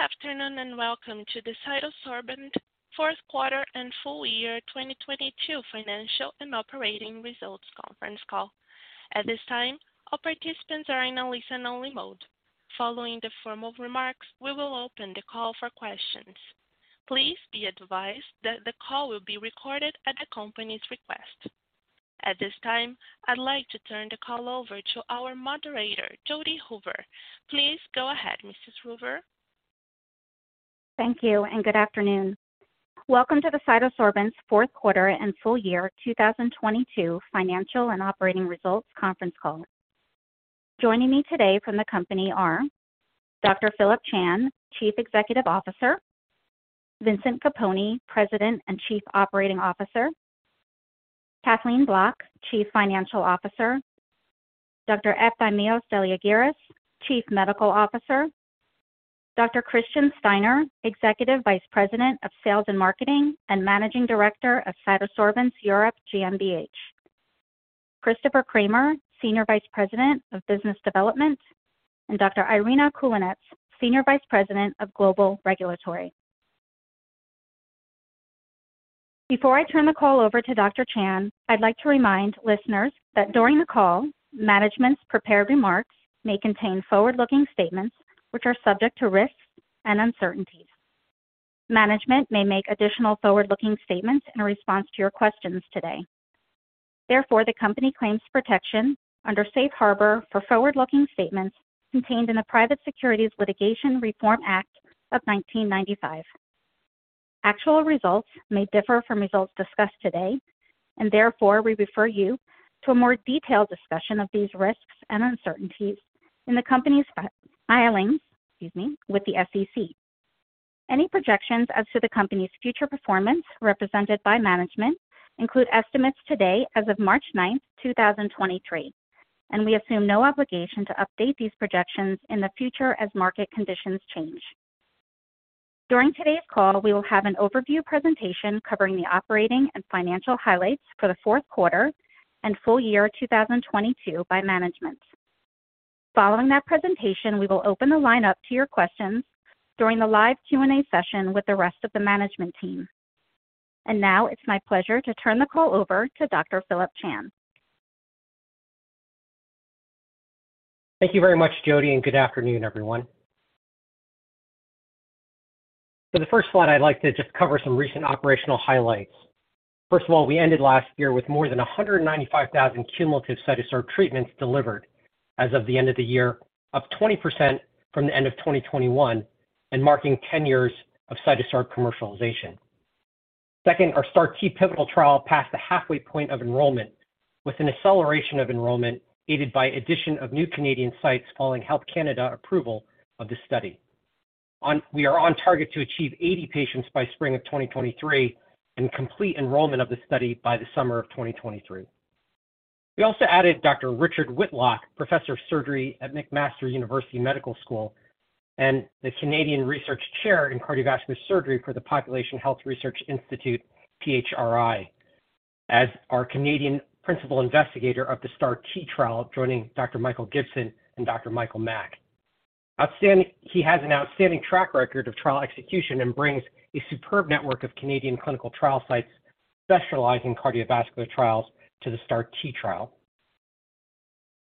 Good afternoon, and welcome to the CytoSorbents Fourth Quarter and Full-Year 2022 Financial and Operating Results Conference Call. At this time, all participants are in a listen-only mode. Following the formal remarks, we will open the call for questions. Please be advised that the call will be recorded at the company's request. At this time, I'd like to turn the call over to our moderator, Jodi Hoover. Please go ahead, Mrs. Hoover. Thank you and good afternoon. Welcome to the CytoSorbents Fourth Quarter and Full-Year 2022 Financial and Operating Results Conference Call. Joining me today from the company are Dr. Phillip Chan, Chief Executive Officer; Vincent Capponi, President and Chief Operating Officer; Kathleen Bloch, Chief Financial Officer; Dr. Efthymios Deliargyris, Chief Medical Officer; Dr. Christian Steiner, Executive Vice President of Sales and Marketing and Managing Director of CytoSorbents Europe GmbH; Christopher Cramer, Senior Vice President of Business Development; and Dr. Irina Kulinets, Senior Vice President of Global Regulatory. Before I turn the call over to Dr. Chan, I'd like to remind listeners that during the call, management's prepared remarks may contain forward-looking statements which are subject to risks and uncertainties. Management may make additional forward-looking statements in response to your questions today. The company claims protection under Safe Harbor for forward-looking statements contained in the Private Securities Litigation Reform Act of 1995. Actual results may differ from results discussed today. We refer you to a more detailed discussion of these risks and uncertainties in the company's filings, excuse me, with the SEC. Any projections as to the company's future performance represented by management include estimates today as of March 9th, 2023. We assume no obligation to update these projections in the future as market conditions change. During today's call, we will have an overview presentation covering the operating and financial highlights for the fourth quarter and full-year 2022 by management. Following that presentation, we will open the line up to your questions during the live Q&A session with the rest of the management team. Now it's my pleasure to turn the call over to Dr. Phillip Chan. Thank you very much, Jodi. Good afternoon, everyone. For the first slide, I'd like to just cover some recent operational highlights. First, we ended last year with more than 195,000 cumulative CytoSorb treatments delivered as of the end of the year, up 20% from the end of 2021 and marking 10 years of CytoSorb commercialization. Second, our STAR-T pivotal trial passed the halfway point of enrollment with an acceleration of enrollment aided by addition of new Canadian sites following Health Canada approval of the study. We are on target to achieve 80 patients by spring of 2023 and complete enrollment of the study by the summer of 2023. We also added Dr. Richard Whitlock, Professor of Surgery at McMaster University Medical School and the Canadian Research Chair in cardiovascular surgery for the Population Health Research Institute, PHRI, as our Canadian Principal Investigator of the STAR-T trial, joining Dr. Michael Gibson and Dr. Michael Mack. He has an outstanding track record of trial execution and brings a superb network of Canadian clinical trial sites specializing cardiovascular trials to the STAR-T trial.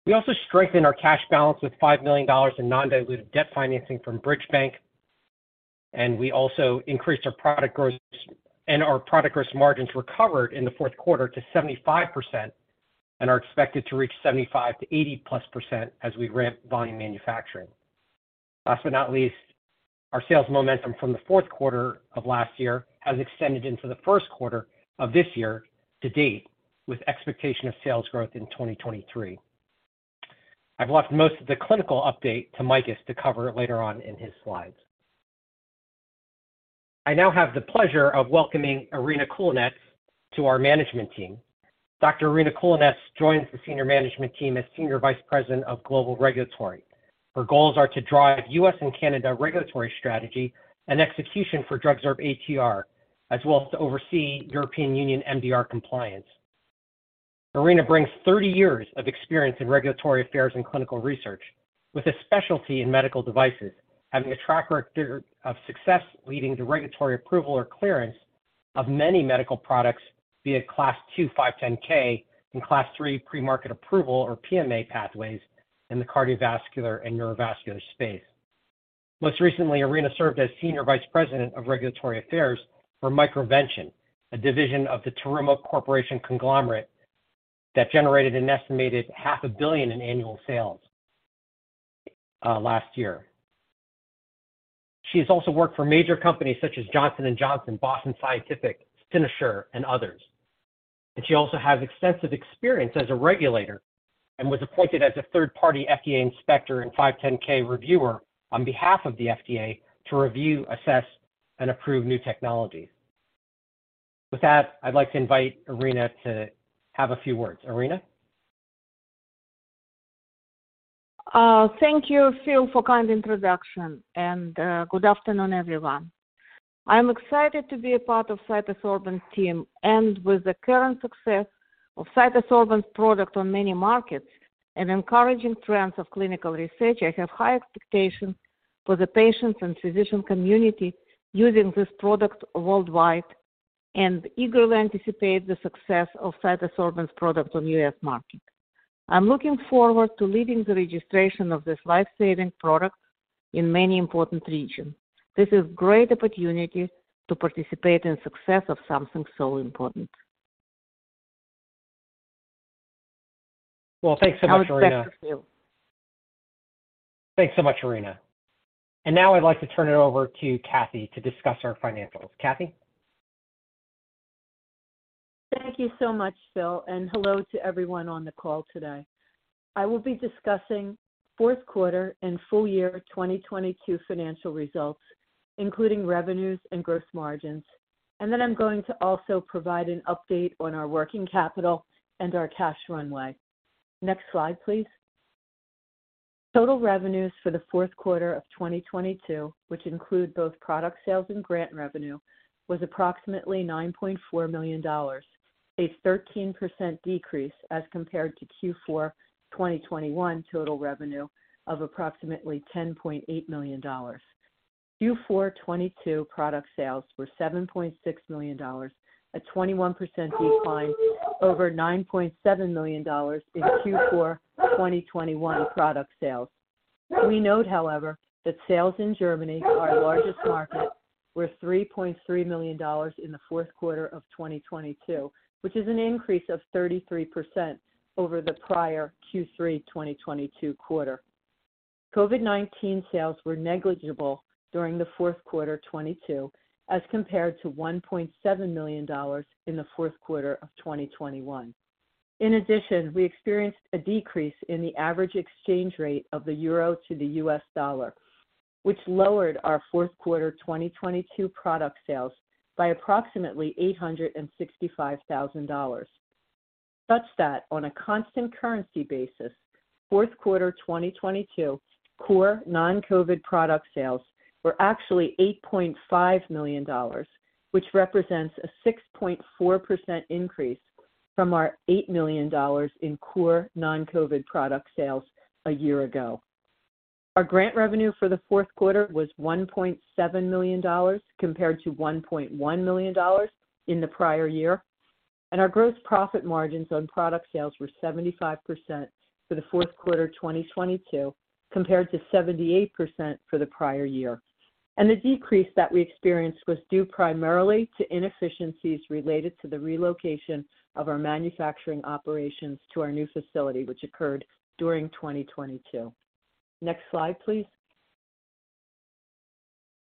We also strengthened our cash balance with $5 million in non-dilutive debt financing from Bridge Bank, and we also increased our product gross. Our product gross margins recovered in the fourth quarter to 75% and are expected to reach 75%-80+% as we ramp volume manufacturing. Last but not least, our sales momentum from the fourth quarter of last year has extended into the first quarter of this year to date with expectation of sales growth in 2023. I've left most of the clinical update to Makis to cover later on in his slides. I now have the pleasure of welcoming Irina Kulinets to our management team. Dr. Irina Kulinets joins the senior management team as Senior Vice President of Global Regulatory. Her goals are to drive U.S. and Canada regulatory strategy and execution for DrugSorb-ATR, as well as to oversee European Union MDR compliance. Irina brings 30 years of experience in regulatory affairs and clinical research with a specialty in medical devices, having a track record of success leading to regulatory approval or clearance of many medical products via Class II 510(k) and Class III PMA pathways in the cardiovascular and neurovascular space. Most recently, Irina served as Senior Vice President of Regulatory Affairs for MicroVention, a division of the Terumo Corporation conglomerate that generated an estimated $0.5 billion in annual sales last year. She has also worked for major companies such as Johnson & Johnson, Boston Scientific, Fresenius, and others. She also has extensive experience as a regulator and was appointed as a third-party FDA inspector and 510(k) reviewer on behalf of the FDA to review, assess, and approve new technologies. With that, I'd like to invite Irina to have a few words. Irina? Thank you, Phil, for kind introduction, and good afternoon, everyone. I'm excited to be a part of CytoSorbents team and with the current success of CytoSorbents product on many markets and encouraging trends of clinical research, I have high expectations for the patients and physician community using this product worldwide and eagerly anticipate the success of CytoSorbents product on U.S. market. I'm looking forward to leading the registration of this life-saving product in many important regions. This is great opportunity to participate in success of something so important. Well, thanks so much, Irina. I'll pass it to Phil. Thanks so much, Irina. Now I'd like to turn it over to Kathy to discuss our financials. Kathy? Thank you so much, Phil. Hello to everyone on the call today. I will be discussing fourth quarter and full-year 2022 financial results, including revenues and gross margins. I'm going to also provide an update on our working capital and our cash runway. Next slide, please. Total revenues for the fourth quarter of 2022, which include both product sales and grant revenue, was approximately $9.4 million, a 13% decrease as compared to Q4 2021 total revenue of approximately $10.8 million. Q4 2022 product sales were $7.6 million, a 21% decline over $9.7 million in Q4 2021 product sales. We note, however, that sales in Germany, our largest market, were $3.3 million in the fourth quarter of 2022, which is an increase of 33% over the prior Q3 2022 quarter. COVID-19 sales were negligible during the fourth quarter 2022 as compared to $1.7 million in the fourth quarter of 2021. We experienced a decrease in the average exchange rate of the euro to the US dollar, which lowered our fourth quarter 2022 product sales by approximately $865,000. On a constant currency basis, fourth quarter 2022 core non-COVID product sales were actually $8.5 million, which represents a 6.4% increase from our $8 million in core non-COVID product sales a year ago. Our grant revenue for the fourth quarter was $1.7 million compared to $1.1 million in the prior year, and our gross profit margins on product sales were 75% for the fourth quarter 2022 compared to 78% for the prior year. The decrease that we experienced was due primarily to inefficiencies related to the relocation of our manufacturing operations to our new facility, which occurred during 2022. Next slide, please.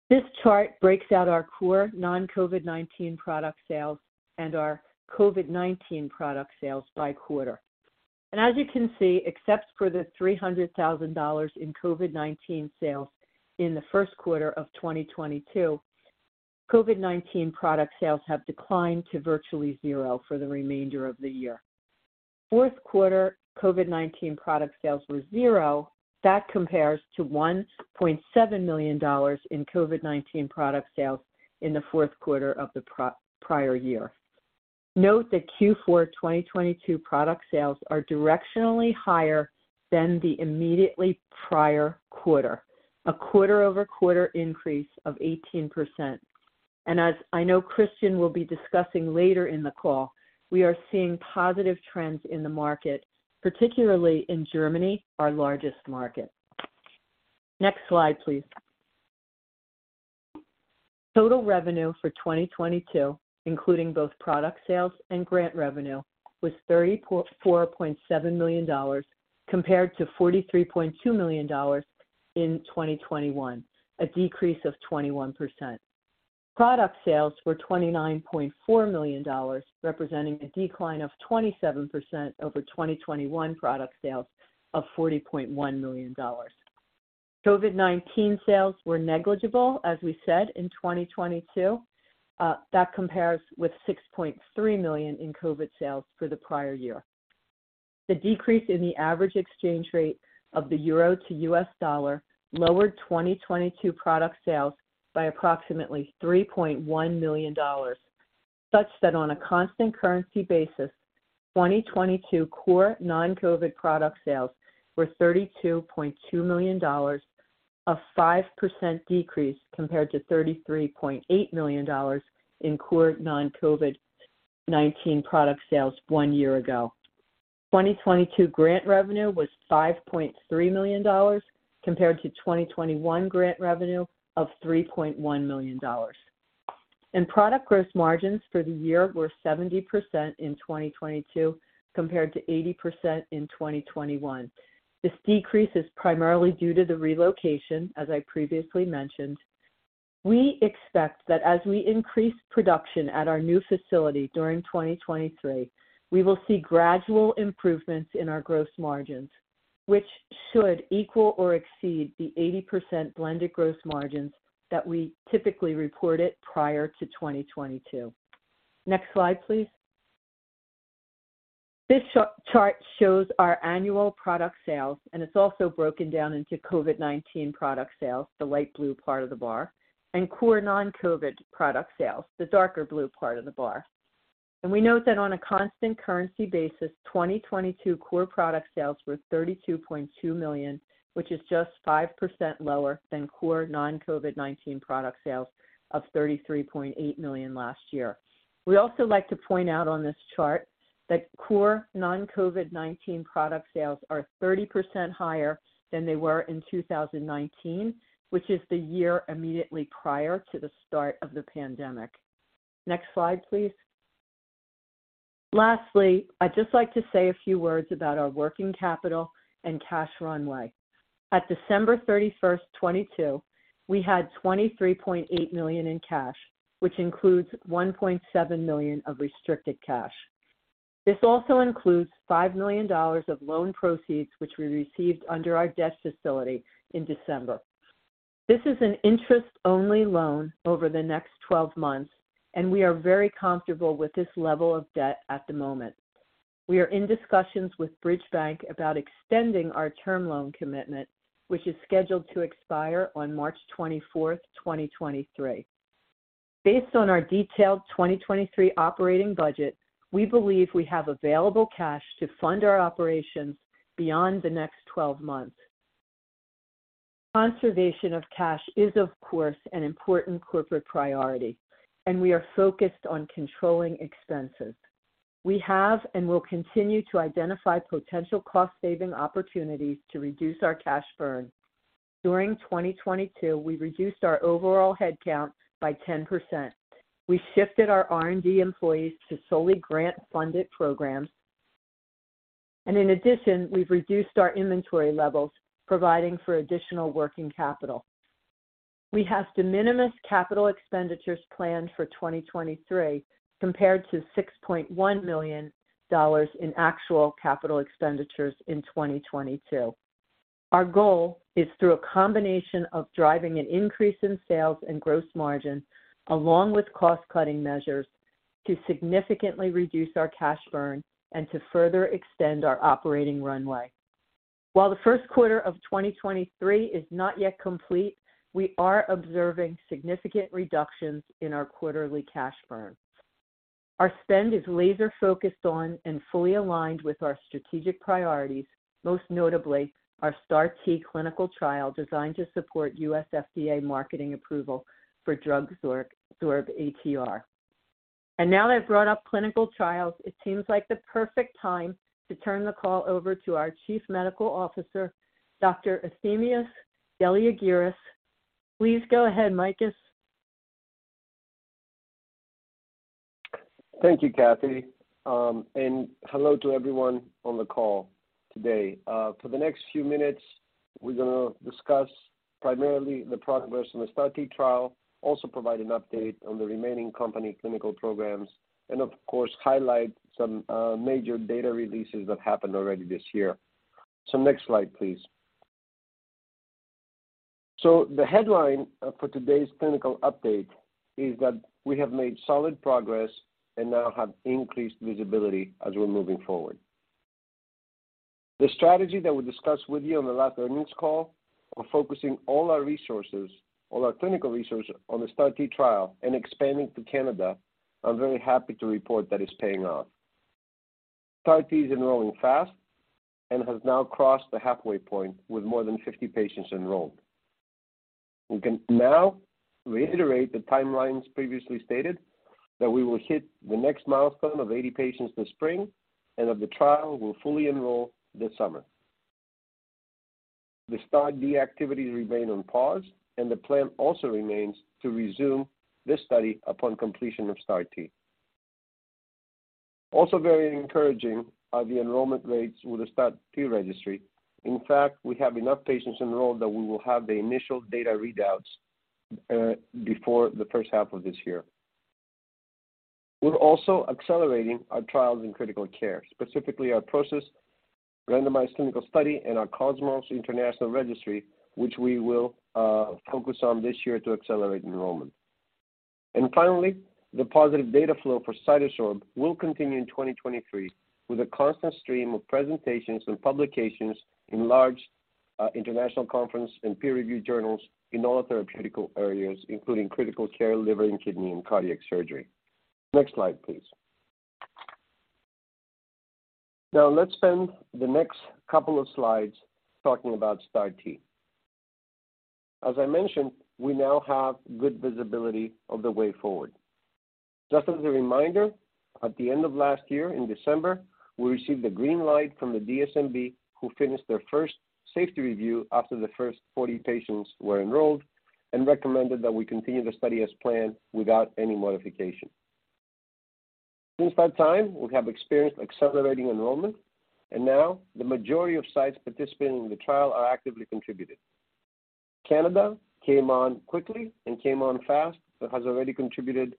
This chart breaks out our core non-COVID-19 product sales and our COVID-19 product sales by quarter. As you can see, except for the $300,000 in COVID-19 sales in the first quarter of 2022, COVID-19 product sales have declined to virtually 0 for the remainder of the year. Fourth quarter COVID-19 product sales were 0. That compares to $1.7 million in COVID-19 product sales in the fourth quarter of the pro-prior year. Note that Q4 2022 product sales are directionally higher than the immediately prior quarter, a quarter-over-quarter increase of 18%. As I know Christian will be discussing later in the call, we are seeing positive trends in the market, particularly in Germany, our largest market. Next slide, please. Total revenue for 2022, including both product sales and grant revenue, was $34.7 million compared to $43.2 million in 2021, a decrease of 21%. Product sales were $29.4 million, representing a decline of 27% over 2021 product sales of $40.1 million. COVID-19 sales were negligible, as we said, in 2022. That compares with $6.3 million in COVID sales for the prior year. The decrease in the average exchange rate of the euro to US dollar lowered 2022 product sales by approximately $3.1 million, such that on a constant currency basis, 2022 core non-COVID product sales were $32.2 million, a 5% decrease compared to $33.8 million in core non-COVID-19 product sales one year ago. 2022 grant revenue was $5.3 million compared to 2021 grant revenue of $3.1 million. Product gross margins for the year were 70% in 2022 compared to 80% in 2021. This decrease is primarily due to the relocation, as I previously mentioned. We expect that as we increase production at our new facility during 2023, we will see gradual improvements in our gross margins, which should equal or exceed the 80% blended gross margins that we typically reported prior to 2022. Next slide, please. This chart shows our annual product sales. It's also broken down into COVID-19 product sales, the light blue part of the bar, and core non-COVID product sales, the darker blue part of the bar. We note that on a constant currency basis, 2022 core product sales were $32.2 million, which is just 5% lower than core non-COVID-19 product sales of $33.8 million last year. We also like to point out on this chart that core non-COVID-19 product sales are 30% higher than they were in 2019, which is the year immediately prior to the start of the pandemic. Next slide, please. Lastly, I'd just like to say a few words about our working capital and cash runway. At December 31st, 2022, we had $23.8 million in cash, which includes $1.7 million of restricted cash. This also includes $5 million of loan proceeds, which we received under our debt facility in December. This is an interest-only loan over the next 12 months. We are very comfortable with this level of debt at the moment. We are in discussions with Bridge Bank about extending our term loan commitment, which is scheduled to expire on March 24th, 2023. Based on our detailed 2023 operating budget, we believe we have available cash to fund our operations beyond the next 12 months. Conservation of cash is, of course, an important corporate priority, and we are focused on controlling expenses. We have and will continue to identify potential cost-saving opportunities to reduce our cash burn. During 2022, we reduced our overall headcount by 10%. We shifted our R&D employees to solely grant-funded programs. In addition, we've reduced our inventory levels, providing for additional working capital. We have the minimal capital expenditures planned for 2023, compared to $6.1 million in actual capital expenditures in 2022. Our goal is, through a combination of driving an increase in sales and gross margin, along with cost-cutting measures, to significantly reduce our cash burn and to further extend our operating runway. While the first quarter of 2023 is not yet complete, we are observing significant reductions in our quarterly cash burn. Our spend is laser-focused on and fully aligned with our strategic priorities, most notably our STAR-T clinical trial designed to support U.S. FDA marketing approval for DrugSorb-ATR. Now that I've brought up clinical trials, it seems like the perfect time to turn the call over to our Chief Medical Officer, Dr. Efthymios Deliargyris. Please go ahead, Makis. Thank you, Kathy. Hello to everyone on the call today. For the next few minutes, we're gonna discuss primarily the progress in the STAR-T trial, also provide an update on the remaining company clinical programs, and of course, highlight some major data releases that happened already this year. Next slide, please. The headline for today's clinical update is that we have made solid progress and now have increased visibility as we're moving forward. The strategy that we discussed with you on the last earnings call of focusing all our resources, all our clinical research on the STAR-T trial and expanding to Canada, I'm very happy to report that it's paying off. STAR-T is enrolling fast and has now crossed the halfway point with more than 50 patients enrolled. We can now reiterate the timelines previously stated that we will hit the next milestone of 80 patients this spring and that the trial will fully enroll this summer. The STAR-D activities remain on pause. The plan also remains to resume this study upon completion of STAR-T. Very encouraging are the enrollment rates with the STAR-T registry. In fact, we have enough patients enrolled that we will have the initial data readouts before the first half of this year. We're also accelerating our trials in critical care, specifically our PROCESS randomized clinical study and our COSMOS international registry, which we will focus on this year to accelerate enrollment. Finally, the positive data flow for CytoSorb will continue in 2023 with a constant stream of presentations and publications in large international conference and peer-review journals in all therapeutic areas, including critical care, liver and kidney, and cardiac surgery. Next slide, please. Let's spend the next couple of slides talking about STAR-T. As I mentioned, we now have good visibility of the way forward. Just as a reminder, at the end of last year in December, we received a green light from the DSMB, who finished their first safety review after the first 40 patients were enrolled and recommended that we continue the study as planned without any modification. Since that time, we have experienced accelerating enrollment, and the majority of sites participating in the trial are actively contributing. Canada came on quickly and came on fast but has already contributed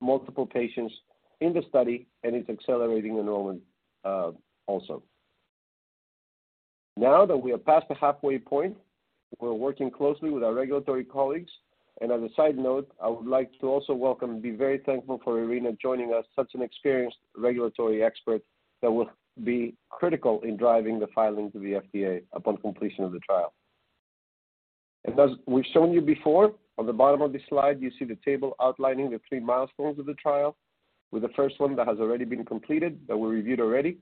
multiple patients in the study and is accelerating enrollment also. Now that we are past the halfway point, we're working closely with our regulatory colleagues. As a side note, I would like to also welcome and be very thankful for Irina joining us, such an experienced regulatory expert that will be critical in driving the filing to the FDA upon completion of the trial. As we've shown you before, on the bottom of this slide, you see the table outlining the three milestones of the trial, with the first one that has already been completed, that we reviewed already.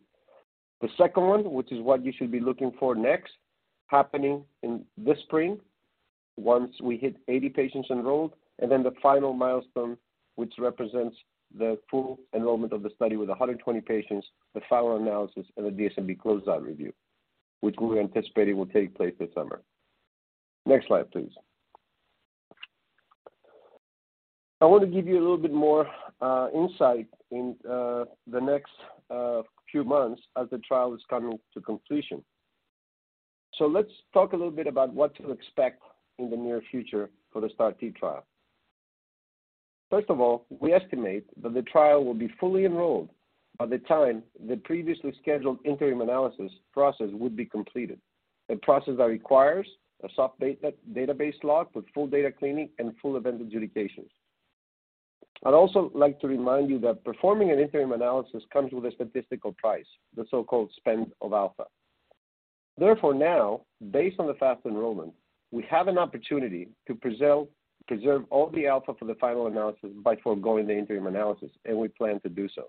The second one, which is what you should be looking for next, happening in this spring once we hit 80 patients enrolled. The final milestone, which represents the full enrollment of the study with 120 patients, the final analysis, and the DSMB close-out review, which we're anticipating will take place this summer. Next slide, please. I want to give you a little bit more insight in the next few months as the trial is coming to completion. Let's talk a little bit about what to expect in the near future for the STAR-T trial. First of all, we estimate that the trial will be fully enrolled by the time the previously scheduled interim analysis process would be completed, a process that requires a soft data, database lock with full data cleaning and full event adjudications. I'd also like to remind you that performing an interim analysis comes with a statistical price, the so-called spend of alpha. Now, based on the fast enrollment, we have an opportunity to preserve all the alpha for the final analysis by foregoing the interim analysis, and we plan to do so.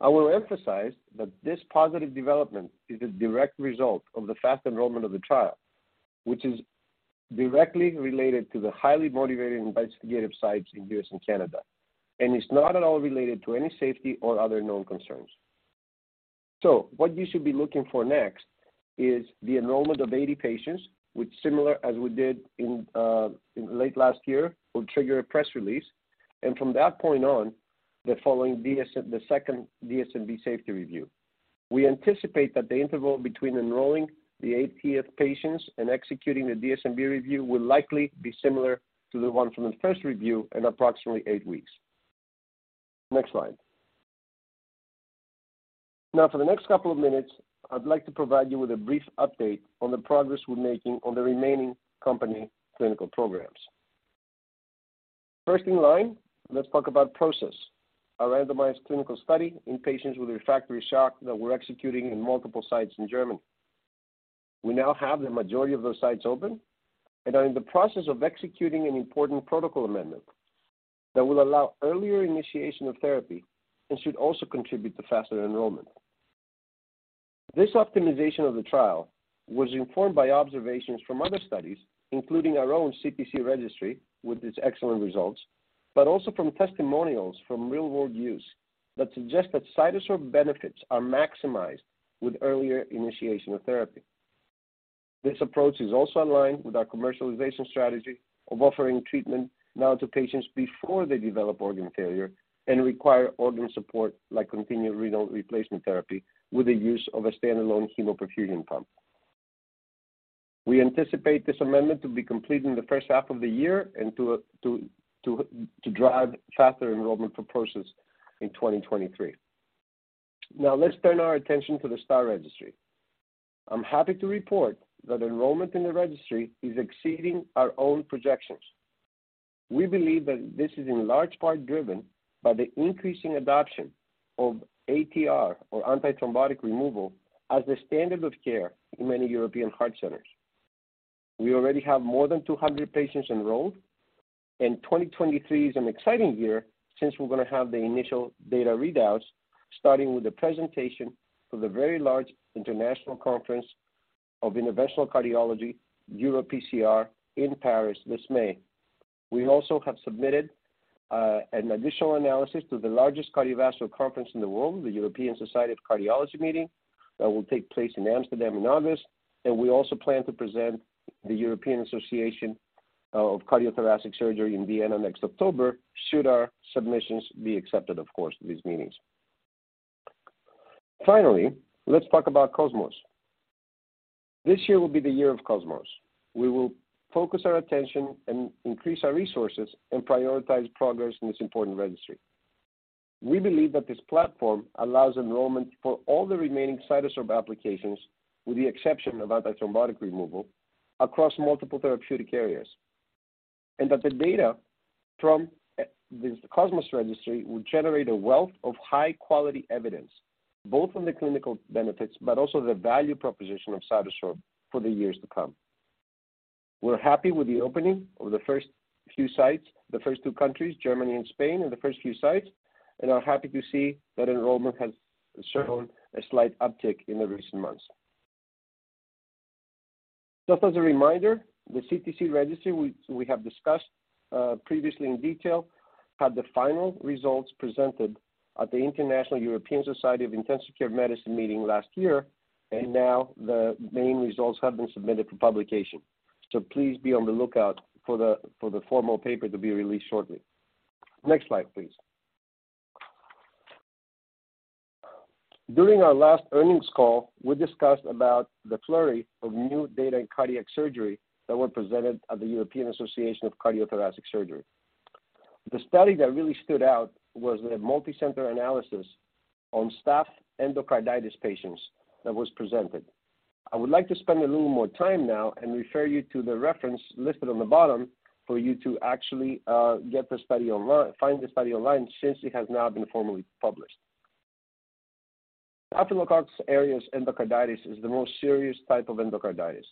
I will emphasize that this positive development is a direct result of the fast enrollment of the trial, which is directly related to the highly motivated investigative sites in U.S. and Canada, and it's not at all related to any safety or other known concerns. What you should be looking for next is the enrollment of 80 patients, which similar as we did in late last year, will trigger a press release. From that point on, the second DSMB safety review. We anticipate that the interval between enrolling the 80th patients and executing the DSMB review will likely be similar to the one from the first review in approximately eight weeks. Next slide. Now for the next couple of minutes, I'd like to provide you with a brief update on the progress we're making on the remaining company clinical programs. First in line, let's talk about PROCESS, a randomized clinical study in patients with refractory shock that we're executing in multiple sites in Germany. We now have the majority of those sites open and are in the process of executing an important protocol amendment that will allow earlier initiation of therapy and should also contribute to faster enrollment. This optimization of the trial was informed by observations from other studies, including our own CTC registry with its excellent results. Also from testimonials from real-world use that suggest that CytoSorb benefits are maximized with earlier initiation of therapy. This approach is also in line with our commercialization strategy of offering treatment now to patients before they develop organ failure and require organ support like Continuous Renal Replacement Therapy with the use of a standalone hemoperfusion pump. We anticipate this amendment to be complete in the first half of the year and to drive faster enrollment for PROCESS in 2023. Let's turn our attention to the STAR registry. I'm happy to report that enrollment in the registry is exceeding our own projections. We believe that this is in large part driven by the increasing adoption of ATR or antithrombotic removal as the standard of care in many European heart centers. We already have more than 200 patients enrolled, and 2023 is an exciting year since we're going to have the initial data readouts, starting with the presentation of the very large International Conference of Interventional Cardiology, EuroPCR, in Paris this May. We also have submitted an additional analysis to the largest cardiovascular conference in the world, the European Society of Cardiology meeting, that will take place in Amsterdam in August. We also plan to present the European Association for Cardio-Thoracic Surgery in Vienna next October should our submissions be accepted, of course, to these meetings. Finally, let's talk about COSMOS. This year will be the year of COSMOS. We will focus our attention and increase our resources and prioritize progress in this important registry. We believe that this platform allows enrollment for all the remaining CytoSorb applications, with the exception of antithrombotic removal, across multiple therapeutic areas, and that the data from this COSMOS registry will generate a wealth of high-quality evidence, both on the clinical benefits but also the value proposition of CytoSorb for the years to come. We're happy with the opening of the first few sites, the first two countries, Germany and Spain, and the first few sites, and are happy to see that enrollment has shown a slight uptick in the recent months. Just as a reminder, the CTC registry we have discussed previously in detail, had the final results presented at the International European Society of Intensive Care Medicine meeting last year, and now the main results have been submitted for publication. Please be on the lookout for the formal paper to be released shortly. Next slide, please. During our last earnings call, we discussed about the flurry of new data in cardiac surgery that were presented at the European Association for Cardio-Thoracic Surgery. The study that really stood out was the multi-center analysis on staph endocarditis patients that was presented. I would like to spend a little more time now and refer you to the reference listed on the bottom for you to actually find the study online, since it has now been formally published. Staphylococcus aureus endocarditis is the most serious type of endocarditis.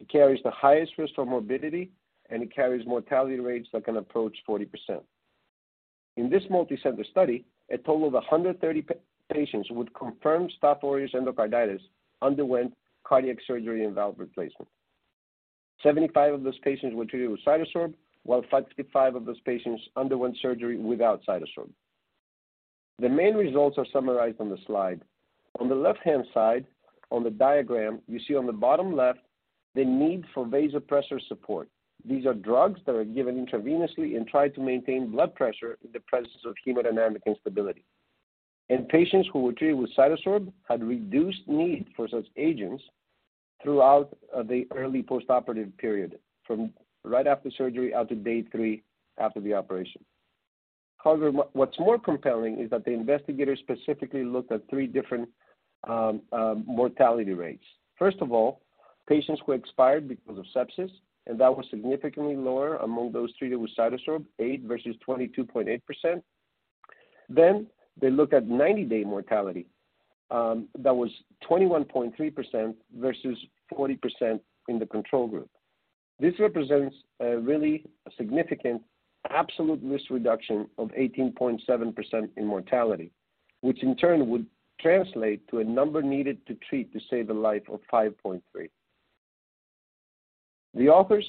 It carries the highest risk for morbidity, and it carries mortality rates that can approach 40%. In this multi-center study, a total of 130 patients with confirmed Staphylococcus aureus endocarditis underwent cardiac surgery and valve replacement. 75 of those patients were treated with CytoSorb, while 55 of those patients underwent surgery without CytoSorb. The main results are summarized on the slide. On the left-hand side on the diagram, you see on the bottom left the need for vasopressor support. These are drugs that are given intravenously and try to maintain blood pressure in the presence of hemodynamic instability. In patients who were treated with CytoSorb had reduced need for such agents throughout the early postoperative period, from right after surgery out to day three after the operation. However, what's more compelling is that the investigators specifically looked at three different mortality rates. First of all, patients who expired because of sepsis, that was significantly lower among those treated with CytoSorb, 8% versus 22.8%. They looked at 90-day mortality, that was 21.3% versus 40% in the control group. This represents a really significant absolute risk reduction of 18.7% in mortality, which in turn would translate to a number needed to treat to save the life of 5.3. The authors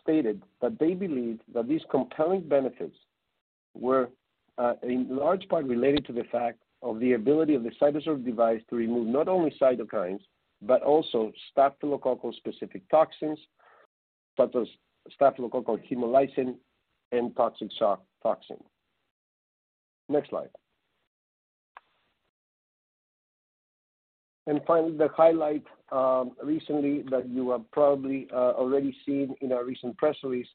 stated that they believe that these compelling benefits were in large part related to the fact of the ability of the CytoSorb device to remove not only cytokines but also staphylococcal specific toxins, such as staphylococcal a-hemolysin and toxic shock toxin. Next slide. Finally, the highlight recently that you have probably already seen in our recent press release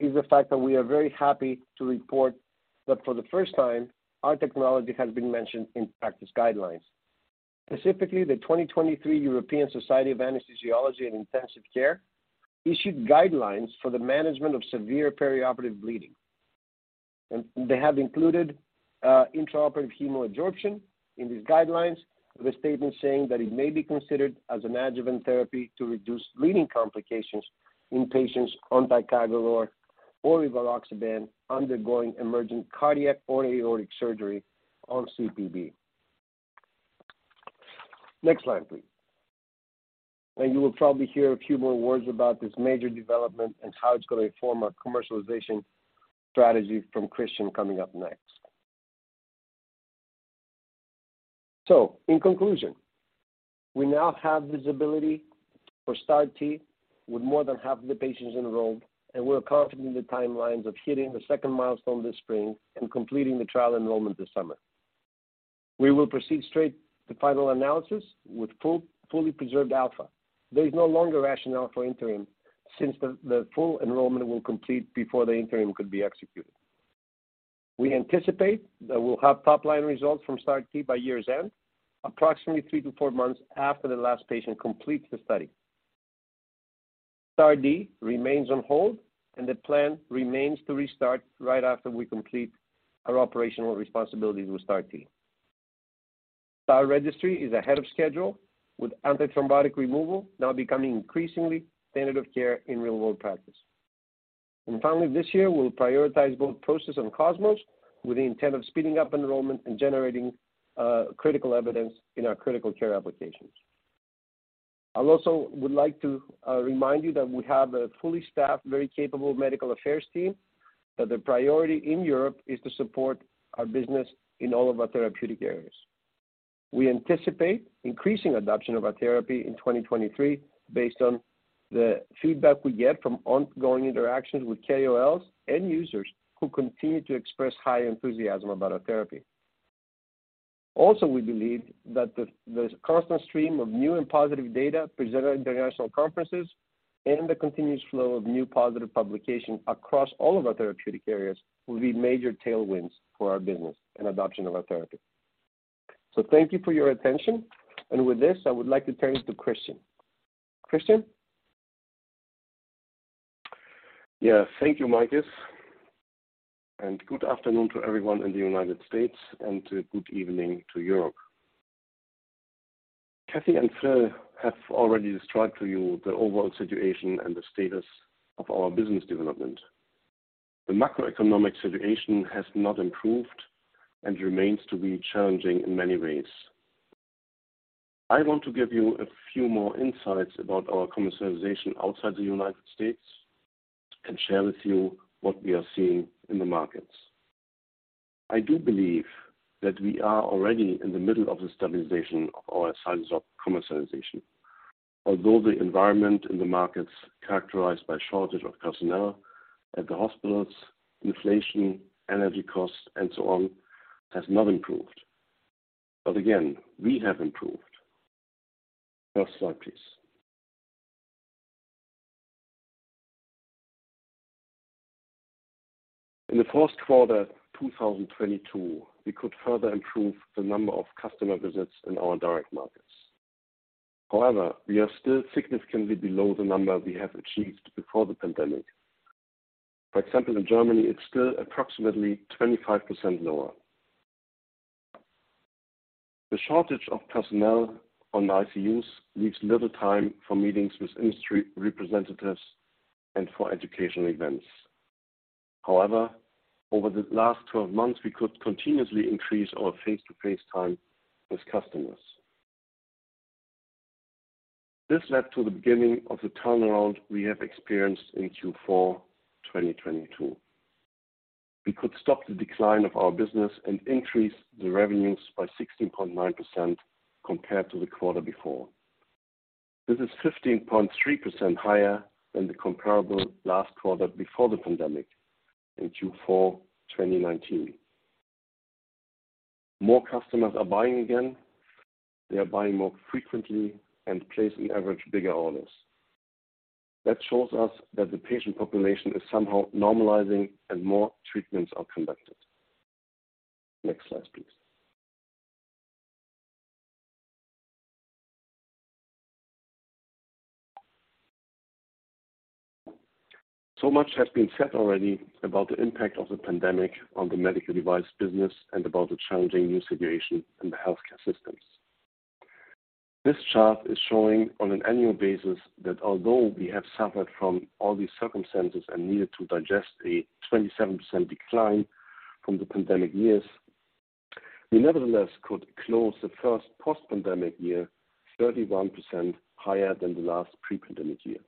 is the fact that we are very happy to report that for the first time, our technology has been mentioned in practice guidelines. Specifically, the 2023 European Society of Anaesthesiology and Intensive Care issued guidelines for the management of severe perioperative bleeding. They have included intraoperative hemodialysis in these guidelines with a statement saying that it may be considered as an adjuvant therapy to reduce bleeding complications in patients on ticagrelor or rivaroxaban undergoing emergent cardiac or aortic surgery on CPB. Next slide, please. You will probably hear a few more words about this major development and how it's going to inform our commercialization strategy from Christian coming up next. In conclusion, we now have visibility for STAR-T with more than half of the patients enrolled, and we're confident in the timelines of hitting the second milestone this spring and completing the trial enrollment this summer. We will proceed straight to final analysis with fully preserved alpha. There is no longer rationale for interim since the full enrollment will complete before the interim could be executed. We anticipate that we'll have top-line results from STAR-T by year's end, approximately three to four months after the last patient completes the study. STAR-D remains on hold, and the plan remains to restart right after we complete our operational responsibilities with STAR-T. STAR Registry is ahead of schedule, with antithrombotic removal now becoming increasingly standard of care in real-world practice. Finally, this year, we'll prioritize both PROCESS and COSMOS with the intent of speeding up enrollment and generating critical evidence in our critical care applications. I also would like to remind you that we have a fully staffed, very capable medical affairs team, that the priority in Europe is to support our business in all of our therapeutic areas. We anticipate increasing adoption of our therapy in 2023 based on the feedback we get from ongoing interactions with KOLs and users who continue to express high enthusiasm about our therapy. We believe that the constant stream of new and positive data presented at international conferences and the continuous flow of new positive publication across all of our therapeutic areas will be major tailwinds for our business and adoption of our therapy. Thank you for your attention. With this, I would like to turn it to Christian. Christian? Yeah. Thank you, Makis. Good afternoon to everyone in the United States and good evening to Europe. Kathleen and Phillip have already described to you the overall situation and the status of our business development. The macroeconomic situation has not improved and remains to be challenging in many ways. I want to give you a few more insights about our commercialization outside the United States and share with you what we are seeing in the markets. I do believe that we are already in the middle of the stabilization of our CytoSorb commercialization. Although the environment in the markets characterized by shortage of personnel at the hospitals, inflation, energy costs and so on, has not improved. Again, we have improved. First slide, please. In the first quarter 2022, we could further improve the number of customer visits in our direct markets. We are still significantly below the number we have achieved before the pandemic. For example, in Germany, it's still approximately 25% lower. The shortage of personnel on ICUs leaves little time for meetings with industry representatives and for educational events. Over the last 12 months, we could continuously increase our face-to-face time with customers. This led to the beginning of the turnaround we have experienced in Q4 2022. We could stop the decline of our business and increase the revenues by 16.9% compared to the quarter before. This is 15.3% higher than the comparable last quarter before the pandemic in Q4 2019. More customers are buying again. They are buying more frequently and place in average bigger orders. That shows us that the patient population is somehow normalizing and more treatments are conducted. Next slide, please. Much has been said already about the impact of the pandemic on the medical device business and about the challenging new situation in the healthcare systems. This chart is showing on an annual basis that although we have suffered from all these circumstances and needed to digest a 27% decline from the pandemic years, we nevertheless could close the first post-pandemic year 31% higher than the last pre-pandemic year.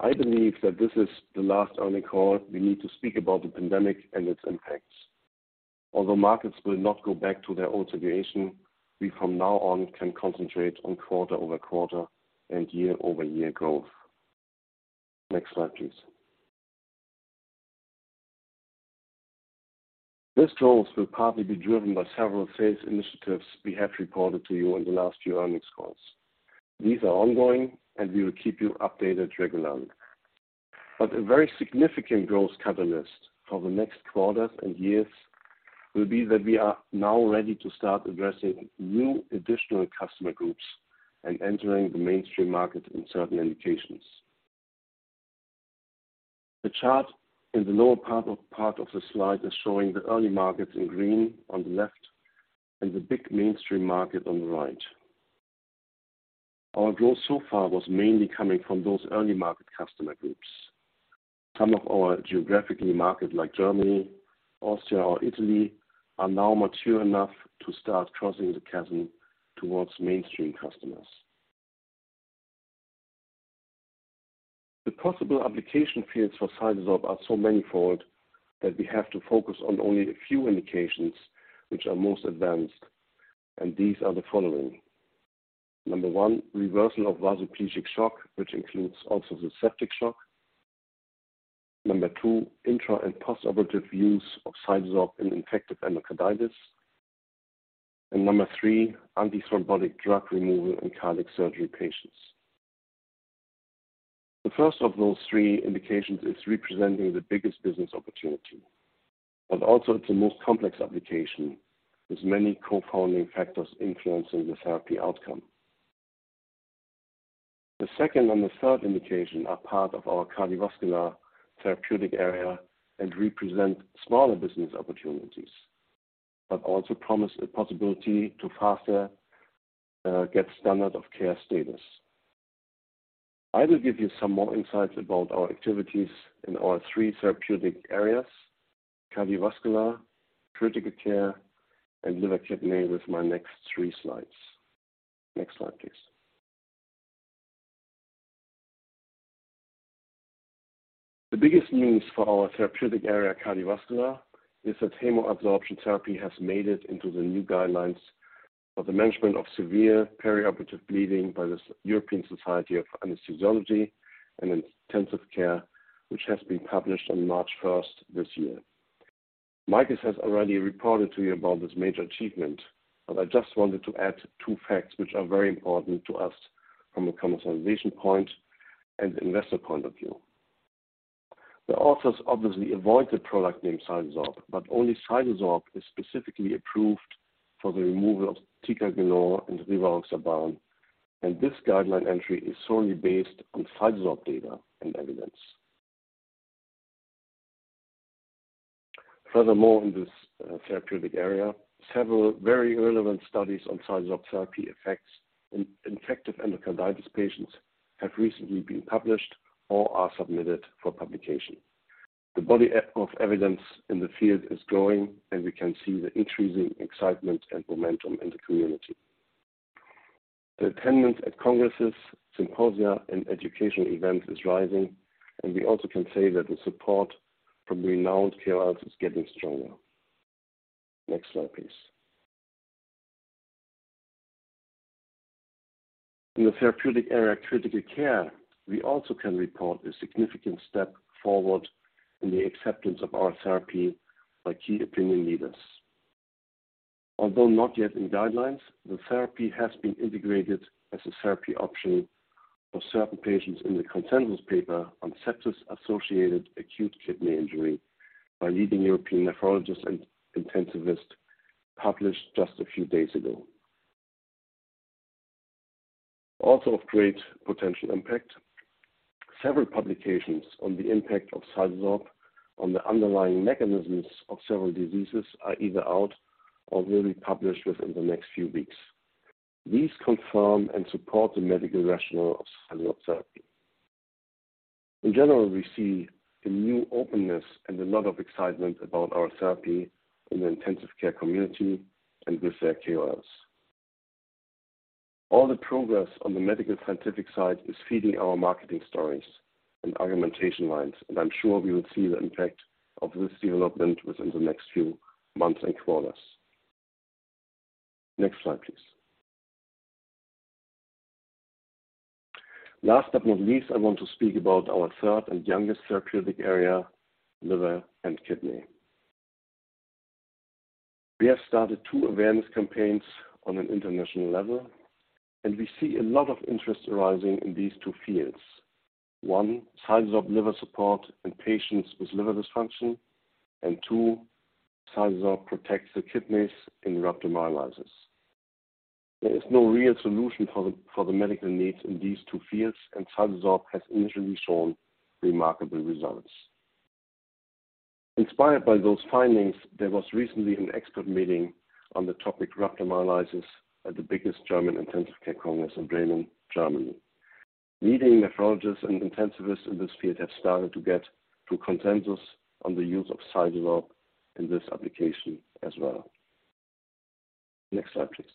I believe that this is the last earning call we need to speak about the pandemic and its impacts. Markets will not go back to their old situation, we from now on can concentrate on quarter-over-quarter and year-over-year growth. Next slide, please. This growth will partly be driven by several sales initiatives we have reported to you in the last few earnings calls. These are ongoing, and we will keep you updated regularly. A very significant growth catalyst for the next quarters and years will be that we are now ready to start addressing new additional customer groups and entering the mainstream market in certain indications. The chart in the lower part of the slide is showing the early markets in green on the left and the big mainstream market on the right. Our growth so far was mainly coming from those early market customer groups. Some of our geographically market like Germany, Austria or Italy, are now mature enough to start crossing the chasm towards mainstream customers. The possible application fields for CytoSorb are so manifold that we have to focus on only a few indications which are most advanced, and these are the following. Number one, reversal of vasoplegic shock, which includes also the septic shock. Number two, intra and post-operative use of CytoSorb in infective endocarditis. Number three, antithrombotic drug removal in cardiac surgery patients. The first of those three indications is representing the biggest business opportunity, also it's the most complex application, with many confounding factors influencing the therapy outcome. The second and the third indication are part of our cardiovascular therapeutic area and represent smaller business opportunities, also promise a possibility to faster get standard of care status. I will give you some more insights about our activities in our three therapeutic areas, cardiovascular, critical care, and liver kidney with my next three slides. Next slide, please. The biggest news for our therapeutic area cardiovascular is that hemoadsorption therapy has made it into the new guidelines for the management of severe perioperative bleeding by the European Society of Anaesthesiology and Intensive Care, which has been published on March 1st this year. Makis has already reported to you about this major achievement, but I just wanted to add two facts which are very important to us from a commercialization point and investor point of view. The authors obviously avoid the product name CytoSorb, but only CytoSorb is specifically approved for the removal of ticagrelor and rivaroxaban, and this guideline entry is solely based on CytoSorb data and evidence. Furthermore, in this therapeutic area, several very relevant studies on CytoSorb therapy effects in infective endocarditis patients have recently been published or are submitted for publication. The body of evidence in the field is growing, and we can see the increasing excitement and momentum in the community. The attendance at congresses, symposia, and educational events is rising, and we also can say that the support from renowned KOL is getting stronger. Next slide, please. In the therapeutic area critical care, we also can report a significant step forward in the acceptance of our therapy by key opinion leaders. Although not yet in guidelines, the therapy has been integrated as a therapy option for certain patients in the consensus paper on sepsis-associated acute kidney injury by leading European nephrologists and intensivists published just a few days ago. Also of great potential impact, several publications on the impact of CytoSorb on the underlying mechanisms of several diseases are either out or will be published within the next few weeks. These confirm and support the medical rationale of CytoSorb therapy. In general, we see a new openness and a lot of excitement about our therapy in the intensive care community and with their KOs. All the progress on the medical scientific side is feeding our marketing stories and argumentation lines, and I'm sure we will see the impact of this development within the next few months and quarters. Next slide, please. Last but not least, I want to speak about our third and youngest therapeutic area, liver and kidney. We have started two awareness campaigns on an international level, and we see a lot of interest arising in these two fields. One, CytoSorb liver support in patients with liver dysfunction, and two, CytoSorb protects the kidneys in rhabdomyolysis. There is no real solution for the medical needs in these two fields, and CytoSorb has initially shown remarkable results. Inspired by those findings, there was recently an expert meeting on the topic rhabdomyolysis at the biggest German intensive care congress in Bremen, Germany. Leading nephrologists and intensivists in this field have started to get to consensus on the use of CytoSorb in this application as well. Next slide, please.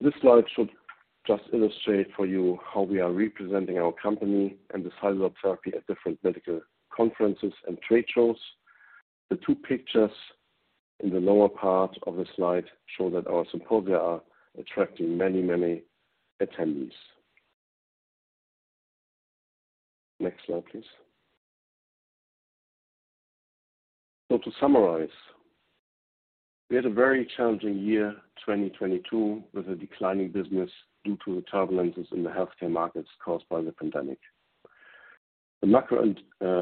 This slide should just illustrate for you how we are representing our company and the CytoSorb therapy at different medical conferences and trade shows. The two pictures in the lower part of the slide show that our symposia are attracting many attendees. Next slide, please. To summarize, we had a very challenging year 2022 with a declining business due to the turbulences in the healthcare markets caused by the pandemic. The macro and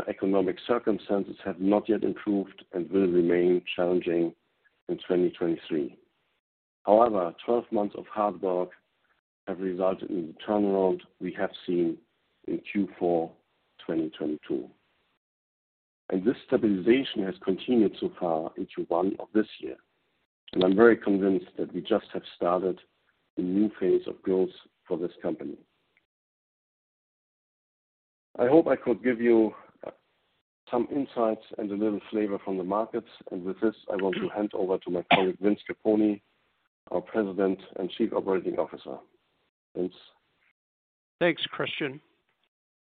economic circumstances have not yet improved and will remain challenging in 2023. 12 months of hard work have resulted in the turnaround we have seen in Q4 2022. This stabilization has continued so far in Q1 of this year. I'm very convinced that we just have started a new phase of growth for this company. I hope I could give you some insights and a little flavor from the markets. With this, I want to hand over to my colleague, Vincent Capponi, our President and Chief Operating Officer. Vince? Thanks, Christian.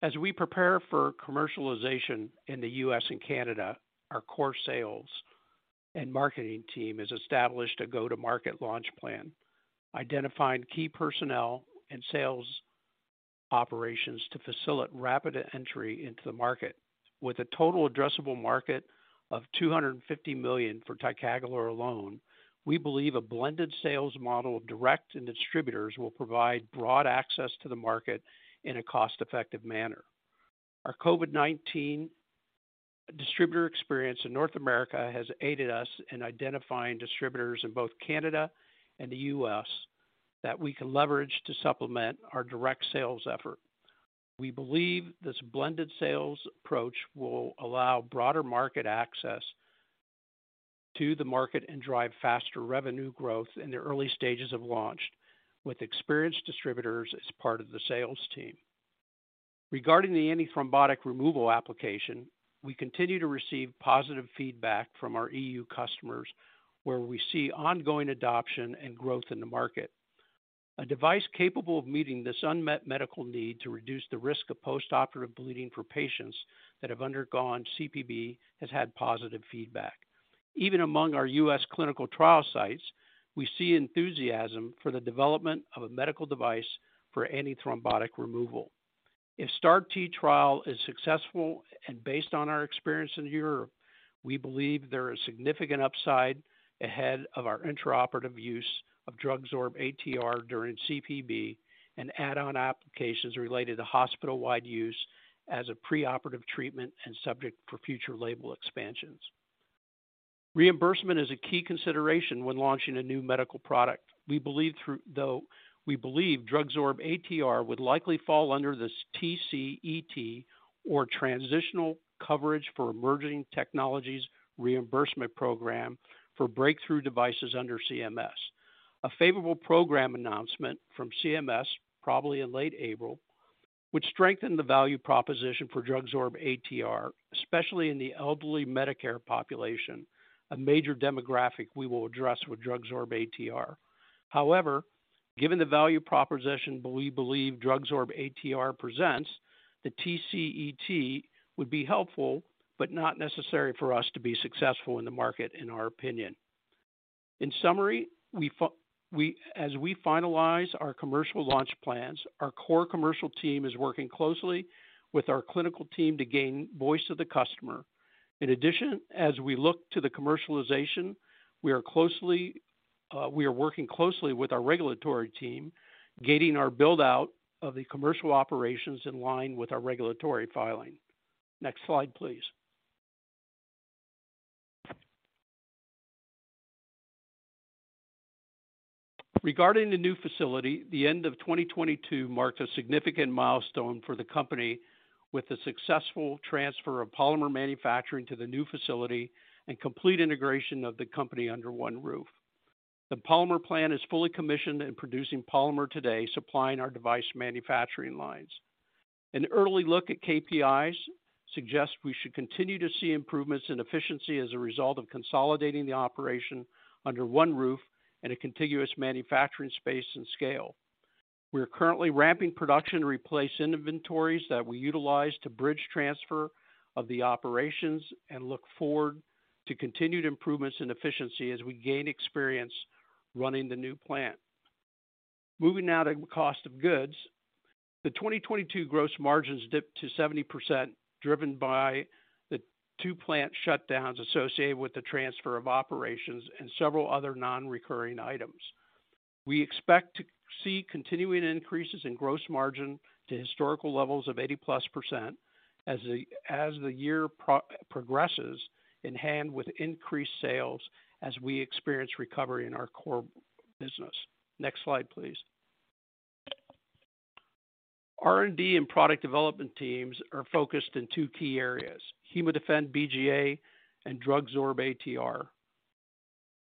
As we prepare for commercialization in the U.S. and Canada, our core sales and marketing team has established a go-to-market launch plan, identifying key personnel and sales operations to facilitate rapid entry into the market. With a total addressable market of $250 million for ticagrelor alone, we believe a blended sales model of direct and distributors will provide broad access to the market in a cost-effective manner. Our COVID-19 distributor experience in North America has aided us in identifying distributors in both Canada and the U.S. that we can leverage to supplement our direct sales effort. We believe this blended sales approach will allow broader market access to the market and drive faster revenue growth in the early stages of launch with experienced distributors as part of the sales team. Regarding the antithrombotic removal application, we continue to receive positive feedback from our EU customers, where we see ongoing adoption and growth in the market. A device capable of meeting this unmet medical need to reduce the risk of postoperative bleeding for patients that have undergone CPB has had positive feedback. Even among our U.S. clinical trial sites, we see enthusiasm for the development of a medical device for antithrombotic removal. If STAR-T trial is successful and based on our experience in Europe, we believe there is significant upside ahead of our intraoperative use of DrugSorb-ATR during CPB and add-on applications related to hospital-wide use as a preoperative treatment and subject for future label expansions. Reimbursement is a key consideration when launching a new medical product. Though we believe DrugSorb-ATR would likely fall under the T-CET or Transitional Coverage for Emerging Technologies reimbursement program for breakthrough devices under CMS. A favorable program announcement from CMS, probably in late April, would strengthen the value proposition for DrugSorb-ATR, especially in the elderly Medicare population, a major demographic we will address with DrugSorb-ATR. However, given the value proposition we believe DrugSorb-ATR presents, the T-CET would be helpful but not necessary for us to be successful in the market, in our opinion. In summary, we, as we finalize our commercial launch plans, our core commercial team is working closely with our clinical team to gain voice of the customer. In addition, as we look to the commercialization, we are closely, we are working closely with our regulatory team, gating our build-out of the commercial operations in line with our regulatory filing. Next slide, please. Regarding the new facility, the end of 2022 marked a significant milestone for the company with the successful transfer of polymer manufacturing to the new facility and complete integration of the company under one roof. The polymer plant is fully commissioned and producing polymer today, supplying our device manufacturing lines. An early look at KPIs suggests we should continue to see improvements in efficiency as a result of consolidating the operation under one roof in a contiguous manufacturing space and scale. We are currently ramping production to replace inventories that we utilized to bridge transfer of the operations and look forward to continued improvements in efficiency as we gain experience running the new plant. Moving now to cost of goods. The 2022 gross margins dipped to 70%, driven by the two plant shutdowns associated with the transfer of operations and several other non-recurring items. We expect to see continuing increases in gross margin to historical levels of 80%+ as the year progresses in hand with increased sales as we experience recovery in our core business. Next slide, please. R&D and product development teams are focused in two key areas, HemoDefend-BGA and DrugSorb-ATR.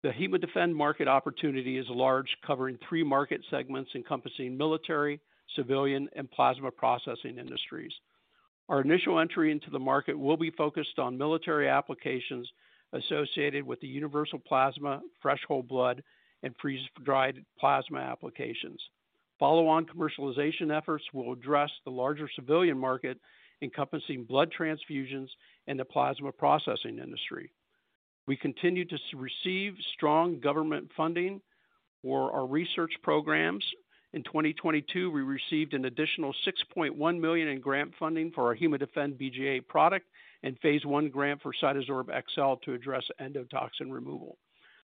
The HemoDefend market opportunity is large, covering three market segments encompassing military, civilian, and plasma processing industries. Our initial entry into the market will be focused on military applications associated with the universal plasma, fresh whole blood, and freeze-dried plasma applications. Follow-on commercialization efforts will address the larger civilian market, encompassing blood transfusions and the plasma processing industry. We continue to receive strong government funding for our research programs. In 2022, we received an additional $6.1 million in grant funding for our HemoDefend-BGA product and phase I grant for CytoSorb-XL to address endotoxin removal.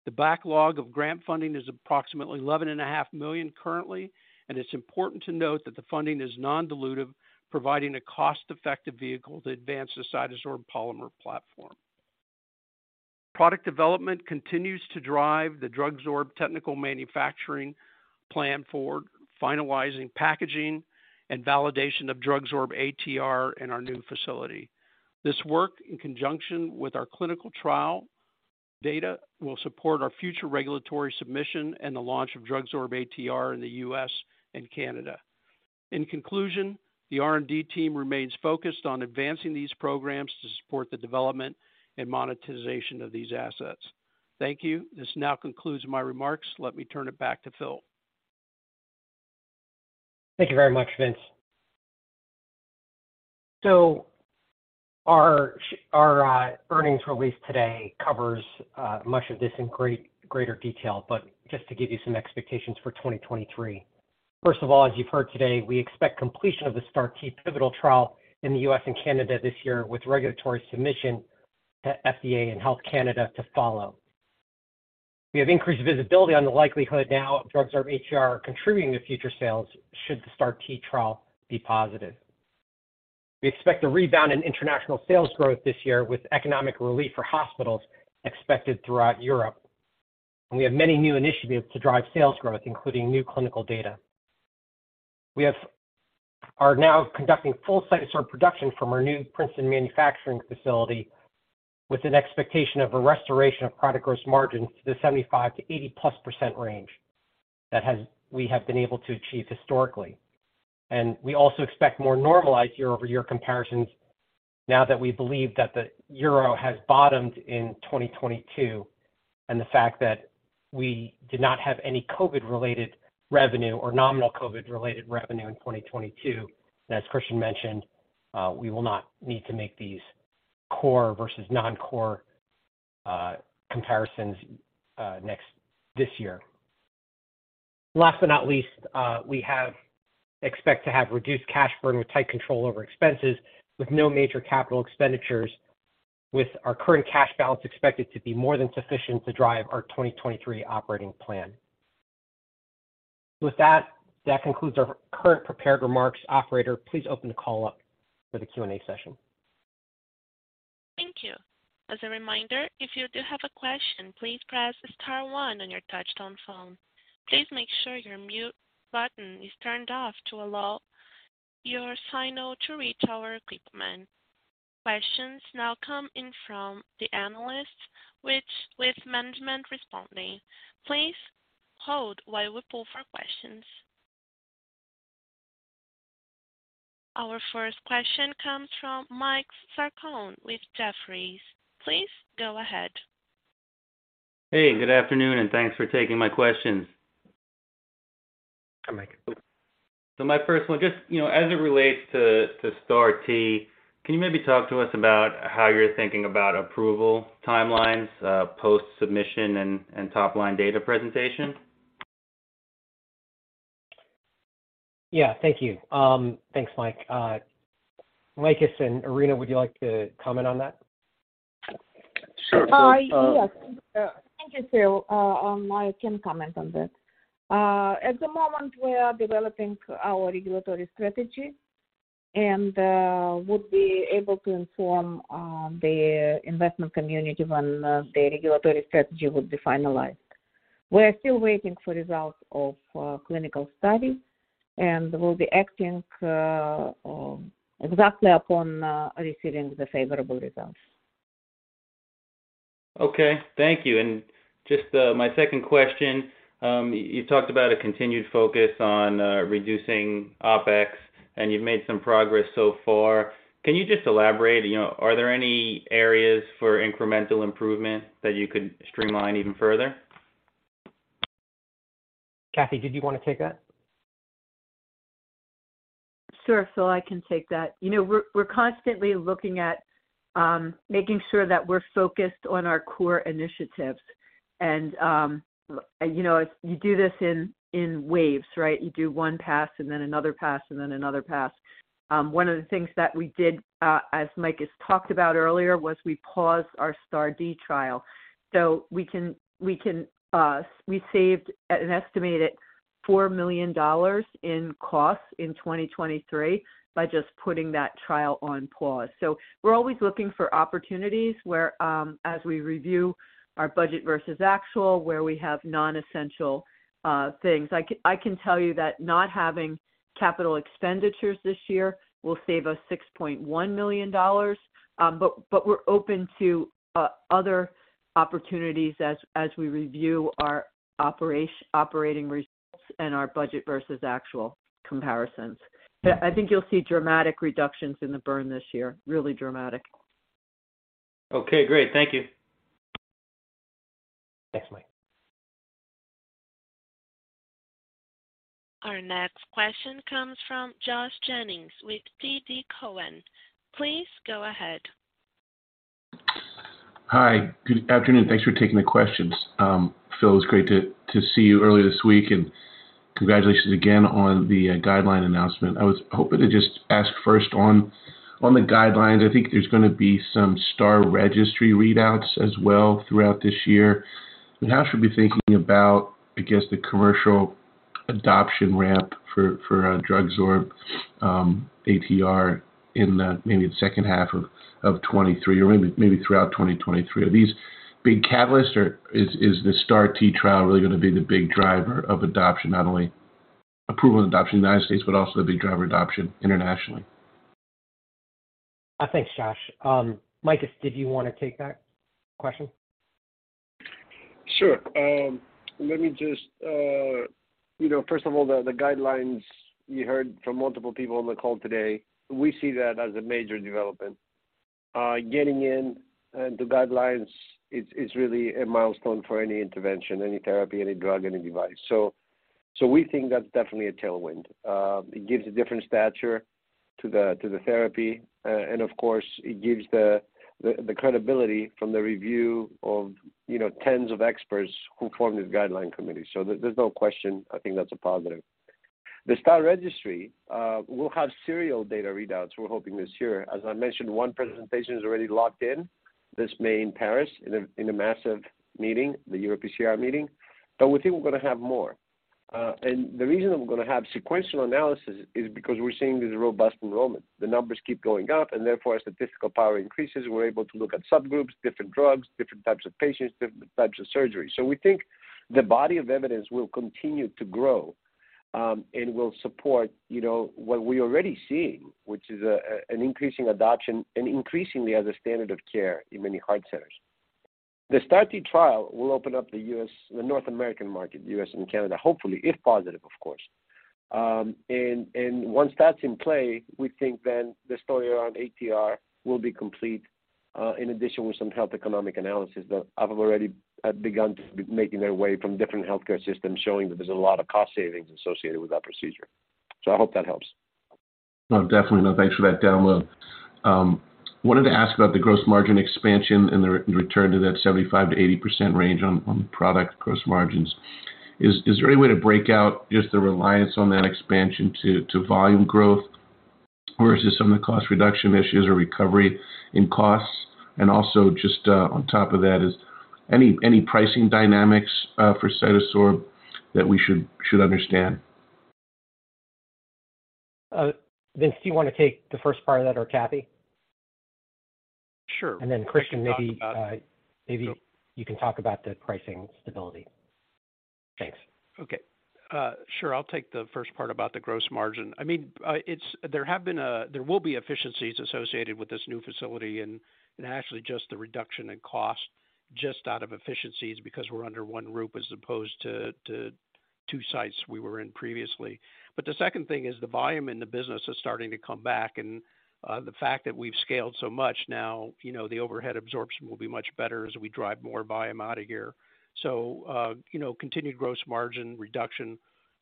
The backlog of grant funding is approximately $11.5 million currently. It's important to note that the funding is non-dilutive, providing a cost-effective vehicle to advance the CytoSorb polymer platform. Product development continues to drive the DrugSorb technical manufacturing plan for finalizing packaging and validation of DrugSorb-ATR in our new facility. This work, in conjunction with our clinical trial data, will support our future regulatory submission and the launch of DrugSorb-ATR in the U.S. And Canada. In conclusion, the R&D team remains focused on advancing these programs to support the development and monetization of these assets. Thank you. This now concludes my remarks. Let me turn it back to Phil. Thank you very much, Vince. Our earnings release today covers much of this in greater detail, but just to give you some expectations for 2023. First of all, as you've heard today, we expect completion of the STAR-T pivotal trial in the U.S. and Canada this year, with regulatory submission to FDA and Health Canada to follow. We have increased visibility on the likelihood now of DrugSorb-ATR contributing to future sales should the STAR-T trial be positive. We expect a rebound in international sales growth this year, with economic relief for hospitals expected throughout Europe. We have many new initiatives to drive sales growth, including new clinical data. We are now conducting full CytoSorb production from our new Princeton manufacturing facility with an expectation of a restoration of product gross margins to the 75%-80%+ range that we have been able to achieve historically. We also expect more normalized year-over-year comparisons now that we believe that the euro has bottomed in 2022 and the fact that we did not have any COVID-related revenue or nominal COVID-related revenue in 2022. As Christian mentioned, we will not need to make these core versus non-core comparisons this year. Last but not least, we expect to have reduced cash burn with tight control over expenses with no major capital expenditures, with our current cash balance expected to be more than sufficient to drive our 2023 operating plan. With that concludes our current prepared remarks. Operator, please open the call up for the Q&A session. Thank you. As a reminder, if you do have a question, please press star one on your touchtone phone. Please make sure your mute button is turned off to allow your signal to reach our equipment. Questions now come in from the analysts with management responding. Please hold while we pull for questions. Our first question comes from Mike Sarcone with Jefferies. Please go ahead. Hey, good afternoon, thanks for taking my questions. Hi, Mike. My first one, just, you know, as it relates to STAR-T, can you maybe talk to us about how you're thinking about approval timelines, post-submission and top-line data presentation? Yeah. Thank you. Thanks, Mike. Makis and Irina, would you like to comment on that? Sure, Phil. Yes. Thank you, Phil. I can comment on that. At the moment, we are developing our regulatory strategy and would be able to inform the investment community when the regulatory strategy would be finalized. We're still waiting for results of clinical study, and we'll be acting exactly upon receiving the favorable results. Okay. Thank you. Just my second question, you talked about a continued focus on reducing OpEx, and you've made some progress so far. Can you just elaborate? You know, are there any areas for incremental improvement that you could streamline even further? Kathy, did you wanna take that? Sure, Phil, I can take that. You know, we're constantly looking at making sure that we're focused on our core initiatives. You know, you do this in waves, right? You do one pass and then another pass and then another pass. One of the things that we did as Makis talked about earlier, was we paused our STAR-D trial. We saved an estimated $4 million in costs in 2023 by just putting that trial on pause. We're always looking for opportunities where, as we review our budget versus actual, where we have non-essential things. I can tell you that not having CapEx this year will save us $6.1 million. We're open to other opportunities as we review our operating results and our budget versus actual comparisons. I think you'll see dramatic reductions in the burn this year. Really dramatic. Okay, great. Thank you. Thanks, Mike. Our next question comes from Josh Jennings with TD Cowen. Please go ahead. Hi. Good afternoon. Thanks for taking the questions. Phil, it was great to see you earlier this week, congratulations again on the guideline announcement. I was hoping to just ask first on the guidelines. I think there's gonna be some STAR-T registry readouts as well throughout this year. How should we be thinking about, I guess, the commercial adoption ramp for DrugSorb-ATR in the maybe the second half of 23 or maybe throughout 2023? Are these big catalysts or is the STAR-T trial really gonna be the big driver of adoption, not only approval and adoption in the United States, but also the big driver adoption internationally? Thanks, Josh. Makis, did you wanna take that question? Sure. You know, first of all, the guidelines you heard from multiple people on the call today, we see that as a major development. Getting in the guidelines, it's really a milestone for any intervention, any therapy, any drug, any device. We think that's definitely a tailwind. It gives a different stature to the therapy, and of course, it gives the credibility from the review of, you know, tens of experts who form this guideline committee. There's no question, I think that's a positive. The STAR-T registry, we'll have serial data readouts, we're hoping this year. As I mentioned, one presentation is already locked in this May in Paris in a massive meeting, the European CCM meeting. We think we're gonna have more. The reason that we're gonna have sequential analysis is because we're seeing this robust enrollment. Therefore, as the statistical power increases, we're able to look at subgroups, different drugs, different types of patients, different types of surgery. We think the body of evidence will continue to grow, and will support, you know, what we're already seeing, which is an increasing adoption and increasingly as a standard of care in many heart centers. The STAR-T trial will open up the U.S., the North American market, U.S. and Canada, hopefully, if positive, of course. Once that's in play, we think the story around ATR will be complete, in addition with some health economic analysis that have already begun to be making their way from different healthcare systems, showing that there's a lot of cost savings associated with that procedure. I hope that helps. No, definitely. No, thanks for that download. Wanted to ask about the gross margin expansion and the return to that 75%-80% range on product gross margins. Is there any way to break out just the reliance on that expansion to volume growth versus some of the cost reduction issues or recovery in costs? Also just on top of that, is any pricing dynamics for CytoSorb that we should understand? Vince, do you wanna take the first part of that or Kathy? Sure. Christian, maybe you can talk about the pricing stability. Thanks. Okay. sure. I'll take the first part about the gross margin. I mean, there will be efficiencies associated with this new facility and actually just the reduction in cost just out of efficiencies because we're under one roof as opposed to two sites we were in previously. The second thing is the volume in the business is starting to come back, and the fact that we've scaled so much now, you know, the overhead absorption will be much better as we drive more volume out of here. You know, continued gross margin reduction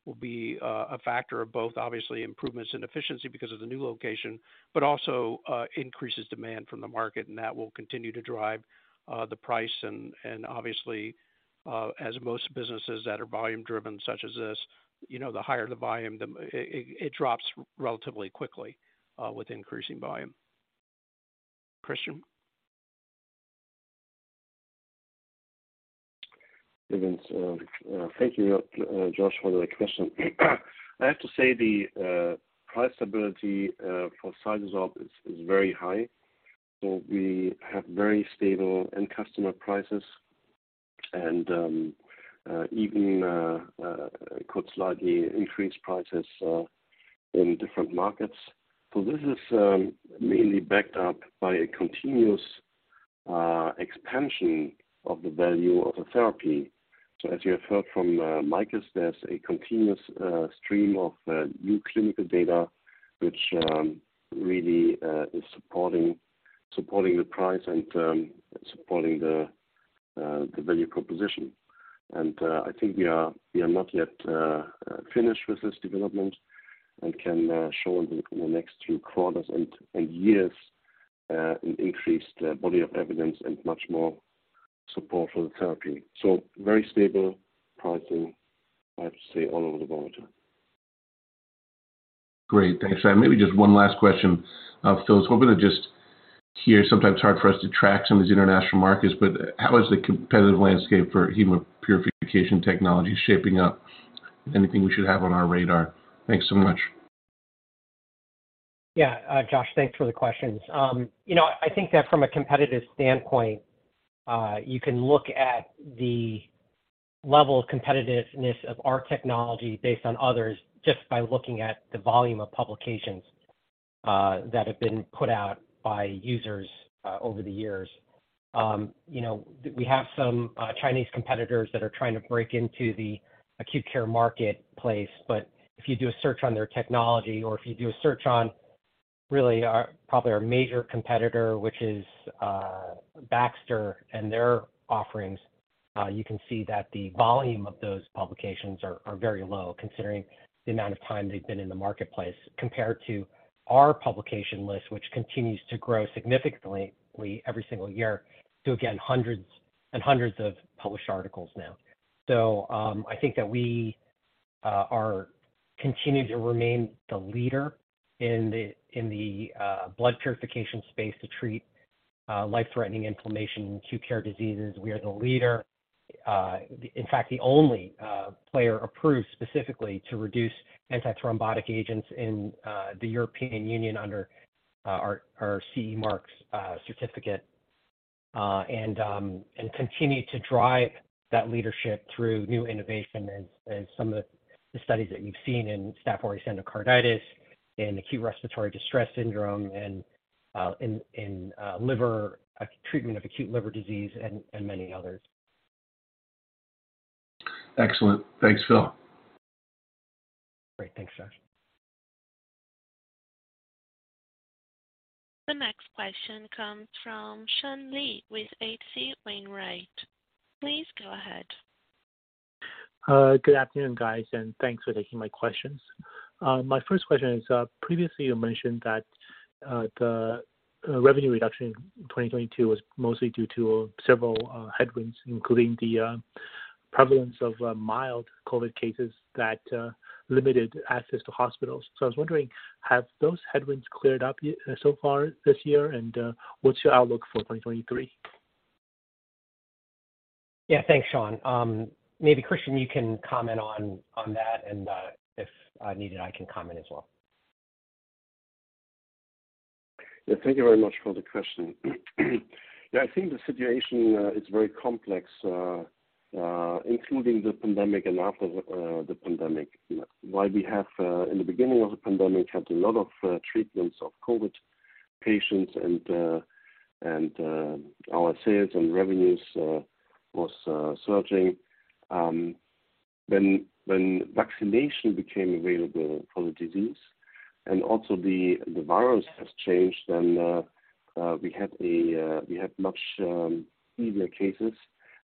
will be a factor of both obviously improvements in efficiency because of the new location, but also increases demand from the market and that will continue to drive the price and obviously, as most businesses that are volume driven such as this, you know, the higher the volume, it drops relatively quickly, with increasing volume. Christian? Even so—thank you, Josh, for the question. I have to say the price stability for CytoSorb is very high. We have very stable end customer prices and even could slightly increase prices in different markets. This is mainly backed up by a continuous expansion of the value of the therapy. As you have heard from Michael, there's a continuous stream of new clinical data which really is supporting the price and supporting the value proposition. I think we are not yet finished with this development and can show in the next few quarters and years an increased body of evidence and much more support for the therapy. Very stable pricing, I have to say, all over the world. Great. Thanks. Maybe just one last question of Phil. We're gonna just hear sometimes hard for us to track some of these international markets, but how is the competitive landscape for hemopurification technology shaping up? Anything we should have on our radar? Thanks so much. Yeah. Josh, thanks for the questions. You know, I think that from a competitive standpoint, you can look at the level of competitiveness of our technology based on others just by looking at the volume of publications that have been put out by users over the years. You know, we have some Chinese competitors that are trying to break into the acute care marketplace. If you do a search on their technology or if you do a search on really our, probably our major competitor, which is Baxter and their offerings, you can see that the volume of those publications are very low considering the amount of time they've been in the marketplace compared to our publication list, which continues to grow significantly every single year to, again, hundreds and hundreds of published articles now. I think that we are continuing to remain the leader in the blood purification space to treat life-threatening inflammation in acute care diseases. We are the leader, in fact, the only player approved specifically to reduce antithrombotic agents in the European Union under our CE mark certificate. Continue to drive that leadership through new innovation and some of the studies that we've seen in Staphylococcus aureus endocarditis, in acute respiratory distress syndrome and in treatment of acute liver disease and many others. Excellent. Thanks, Phil. Great. Thanks, Josh. The next question comes from Sean Lee with H.C. Wainwright. Please go ahead. Good afternoon, guys, thanks for taking my questions. My first question is, previously you mentioned that the revenue reduction in 2022 was mostly due to several headwinds, including the prevalence of mild COVID cases that limited access to hospitals. I was wondering, have those headwinds cleared up so far this year and what's your outlook for 2023? Thanks, Sean. Maybe Christian, you can comment on that, and if needed, I can comment as well. Yeah. Thank you very much for the question. Yeah, I think the situation is very complex, including the pandemic and after the pandemic. While we have in the beginning of the pandemic, had a lot of treatments of COVID patients and our sales and revenues was surging. Vaccination became available for the disease and also the virus has changed and we had much easier cases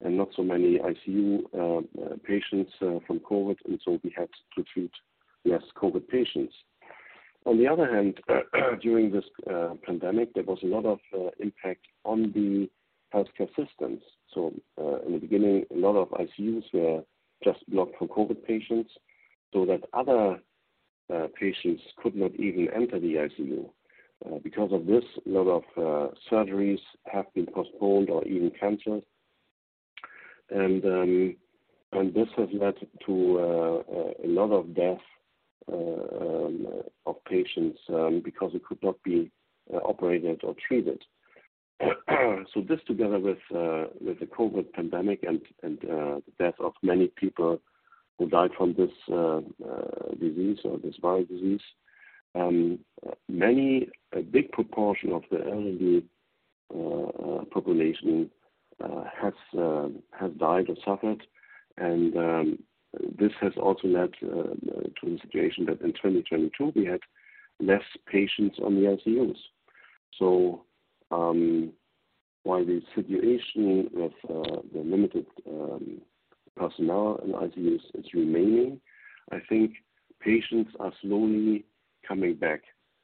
and not so many ICU patients from COVID, and so we had to treat less COVID patients. On the other hand, during this pandemic, there was a lot of impact on the healthcare systems. In the beginning, a lot of ICUs were just blocked for COVID patients so that other patients could not even enter the ICU. Because of this, a lot of surgeries have been postponed or even canceled. This has led to a lot of death of patients because they could not be operated or treated. This together with the COVID pandemic and the death of many people who died from this disease or this viral disease. Many, a big proportion of the elderly population has died or suffered. This has also led to the situation that in 2022 we had less patients on the ICUs. While the situation with the limited personnel in ICUs is remaining, I think patients are slowly coming back.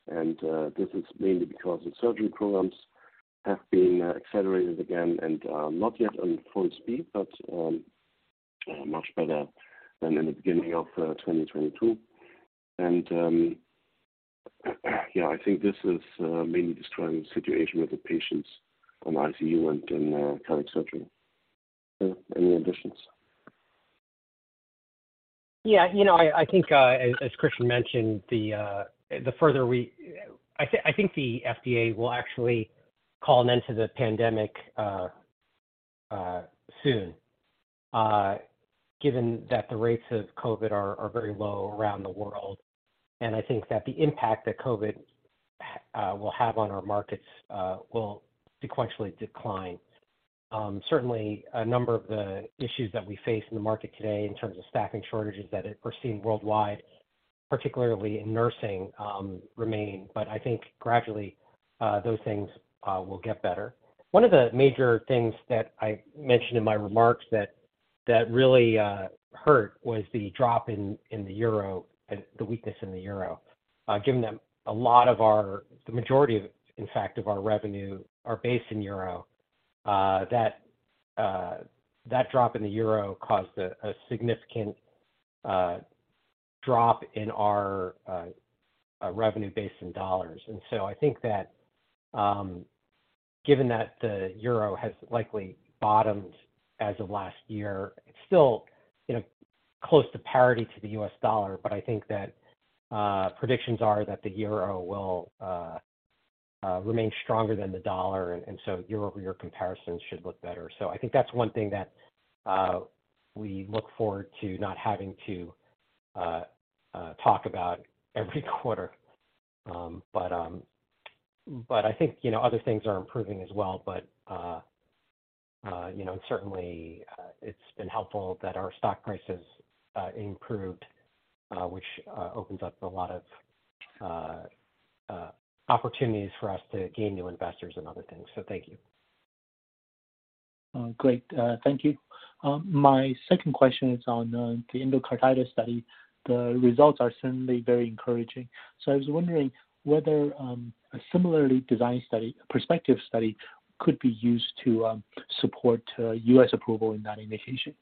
This is mainly because the surgery programs have been accelerated again and not yet on full speed, but much better than in the beginning of 2022. Yeah, I think this is mainly describing the situation with the patients on ICU and in cardiac surgery. Any additions? Yeah, you know, I think as Christian mentioned, the further I think the FDA will actually call an end to the pandemic soon, given that the rates of COVID are very low around the world. I think that the impact that COVID will have on our markets will sequentially decline. Certainly a number of the issues that we face in the market today in terms of staffing shortages that are foreseen worldwide, particularly in nursing, remain. I think gradually those things will get better. One of the major things that I mentioned in my remarks that really hurt was the drop in the euro and the weakness in the euro. Given that the majority of, in fact, of our revenue are based in euro, that drop in the euro caused a significant drop in our revenue base in dollars. I think that, given that the euro has likely bottomed as of last year, it's still, you know, close to parity to the US dollar. I think that predictions are that the euro will remain stronger than the dollar, and so year-over-year comparisons should look better. I think that's one thing that we look forward to not having to talk about every quarter. But I think, you know, other things are improving as well. You know, certainly, it's been helpful that our stock prices improved, which opens up a lot of opportunities for us to gain new investors and other things. Thank you. Great. Thank you. My second question is on the endocarditis study. The results are certainly very encouraging. I was wondering whether a similarly designed study, prospective study could be used to support U.S. approval in that indication.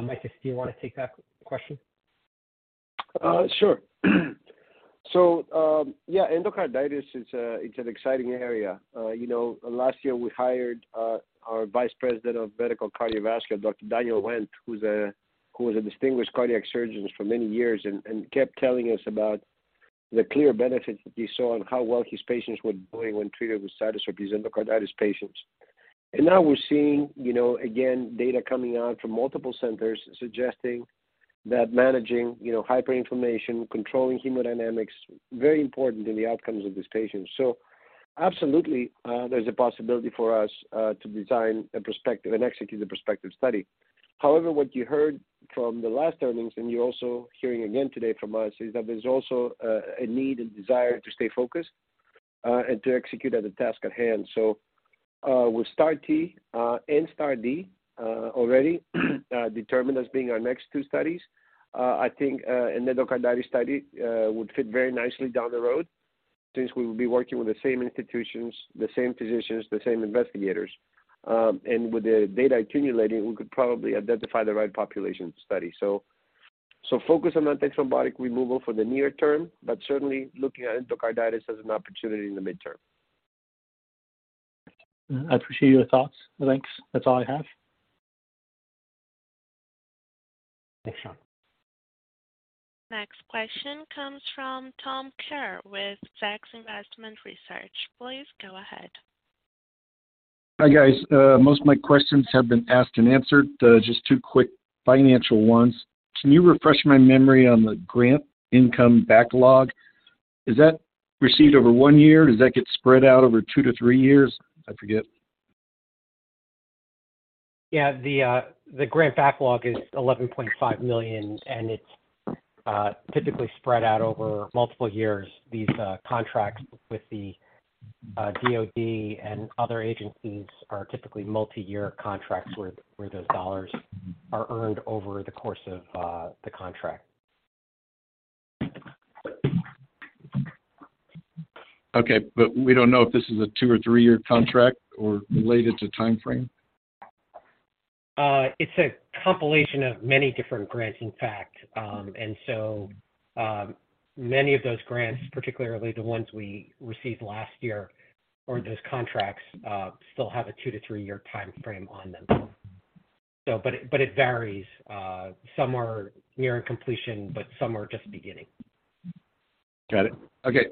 Makis, do you wanna take that question? Sure. Yeah, endocarditis is, it's an exciting area. You know, last year we hired our Vice President of medical cardiovascular, Dr. Daniel Wendt, who was a distinguished cardiac surgeon for many years and kept telling us about the clear benefits that he saw and how well his patients were doing when treated with CytoSorb with endocarditis patients. Now we're seeing, you know, again, data coming out from multiple centers suggesting that managing, you know, hyperinflammation, controlling hemodynamics, very important in the outcomes of these patients. Absolutely, there's a possibility for us to design a prospective and execute a prospective study. However, what you heard from the last earnings, and you're also hearing again today from us, is that there's also a need and desire to stay focused and to execute at the task at hand. With STAR-T, and STAR-D, already determined as being our next two studies, I think, an endocarditis study, would fit very nicely down the road since we will be working with the same institutions, the same physicians, the same investigators. And with the data accumulating, we could probably identify the right population to study. Focus on antibiotic removal for the near term, but certainly looking at endocarditis as an opportunity in the midterm. I appreciate your thoughts. Thanks. That's all I have. Thanks, Sean. Next question comes from Tom Kerr with Zacks Investment Research. Please go ahead. Hi, guys. Most of my questions have been asked and answered. Just two quick financial ones. Can you refresh my memory on the grant income backlog? Is that received over one year? Does that get spread out over two to three years? I forget. Yeah. The grant backlog is $11.5 million, and it's typically spread out over multiple years. These contracts with the DoD and other agencies are typically multi-year contracts where those dollars are earned over the course of the contract. Okay. We don't know if this is a two or three-year contract or related to timeframe? It's a compilation of many different grants, in fact. Many of those grants, particularly the ones we received last year or those contracts, still have a two to three-year timeframe on them. It varies. Some are near completion, but some are just beginning. Got it. Okay.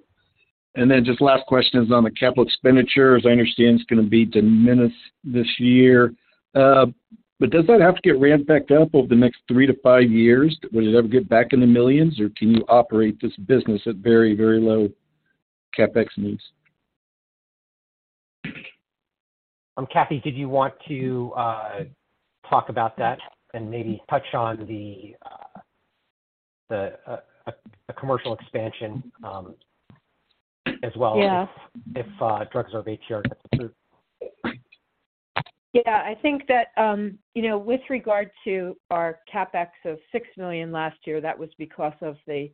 Just last question is on the capital expenditures. I understand it's going to be diminished this year. Does that have to get ramped back up over the next three to five years? Will it ever get back in the millions, or can you operate this business at very, very low CapEx needs? Kathy, did you want to talk about that and maybe touch on the commercial expansion as well. Yes. If DrugSorb-ATR gets approved. Yeah. I think that, you know, with regard to our CapEx of $6 million last year, that was because of the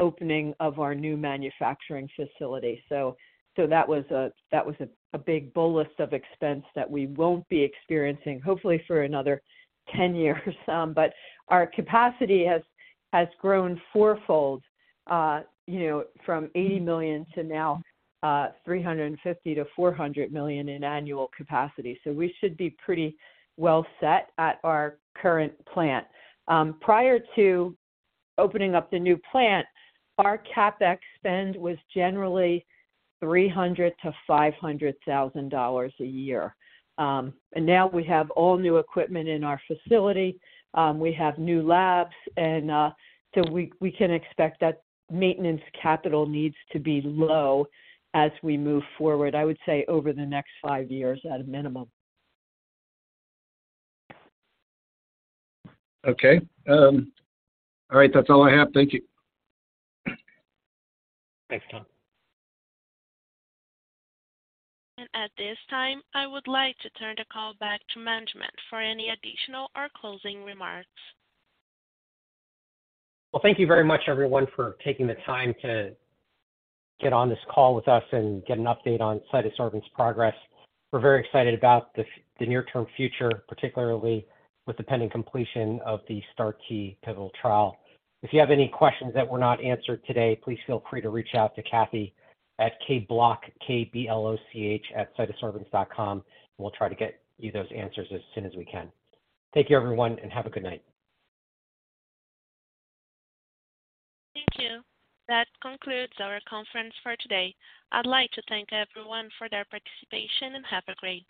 opening of our new manufacturing facility. That was a big bolus of expense that we won't be experiencing hopefully for another 10 years. But our capacity has grown fourfold, you know, from $80 million to now $350 million-$400 million in annual capacity. We should be pretty well set at our current plant. Prior to opening up the new plant, our CapEx spend was generally $300,000-$500,000 a year. Now we have all new equipment in our facility, we have new labs, we can expect that maintenance capital needs to be low as we move forward, I would say, over the next five years at a minimum. Okay. All right. That's all I have. Thank you. Thanks, Tom. At this time, I would like to turn the call back to management for any additional or closing remarks. Well, thank you very much, everyone, for taking the time to get on this call with us and get an update on CytoSorbents progress. We're very excited about the near-term future, particularly with the pending completion of the STAR-T pivotal trial. If you have any questions that were not answered today, please feel free to reach out to Kathy at kbloch, K-B-L-O-C-H, @cytosorbents.com and we'll try to get you those answers as soon as we can. Thank you, everyone, and have a good night. Thank you. That concludes our conference for today. I'd like to thank everyone for their participation, and have a great day.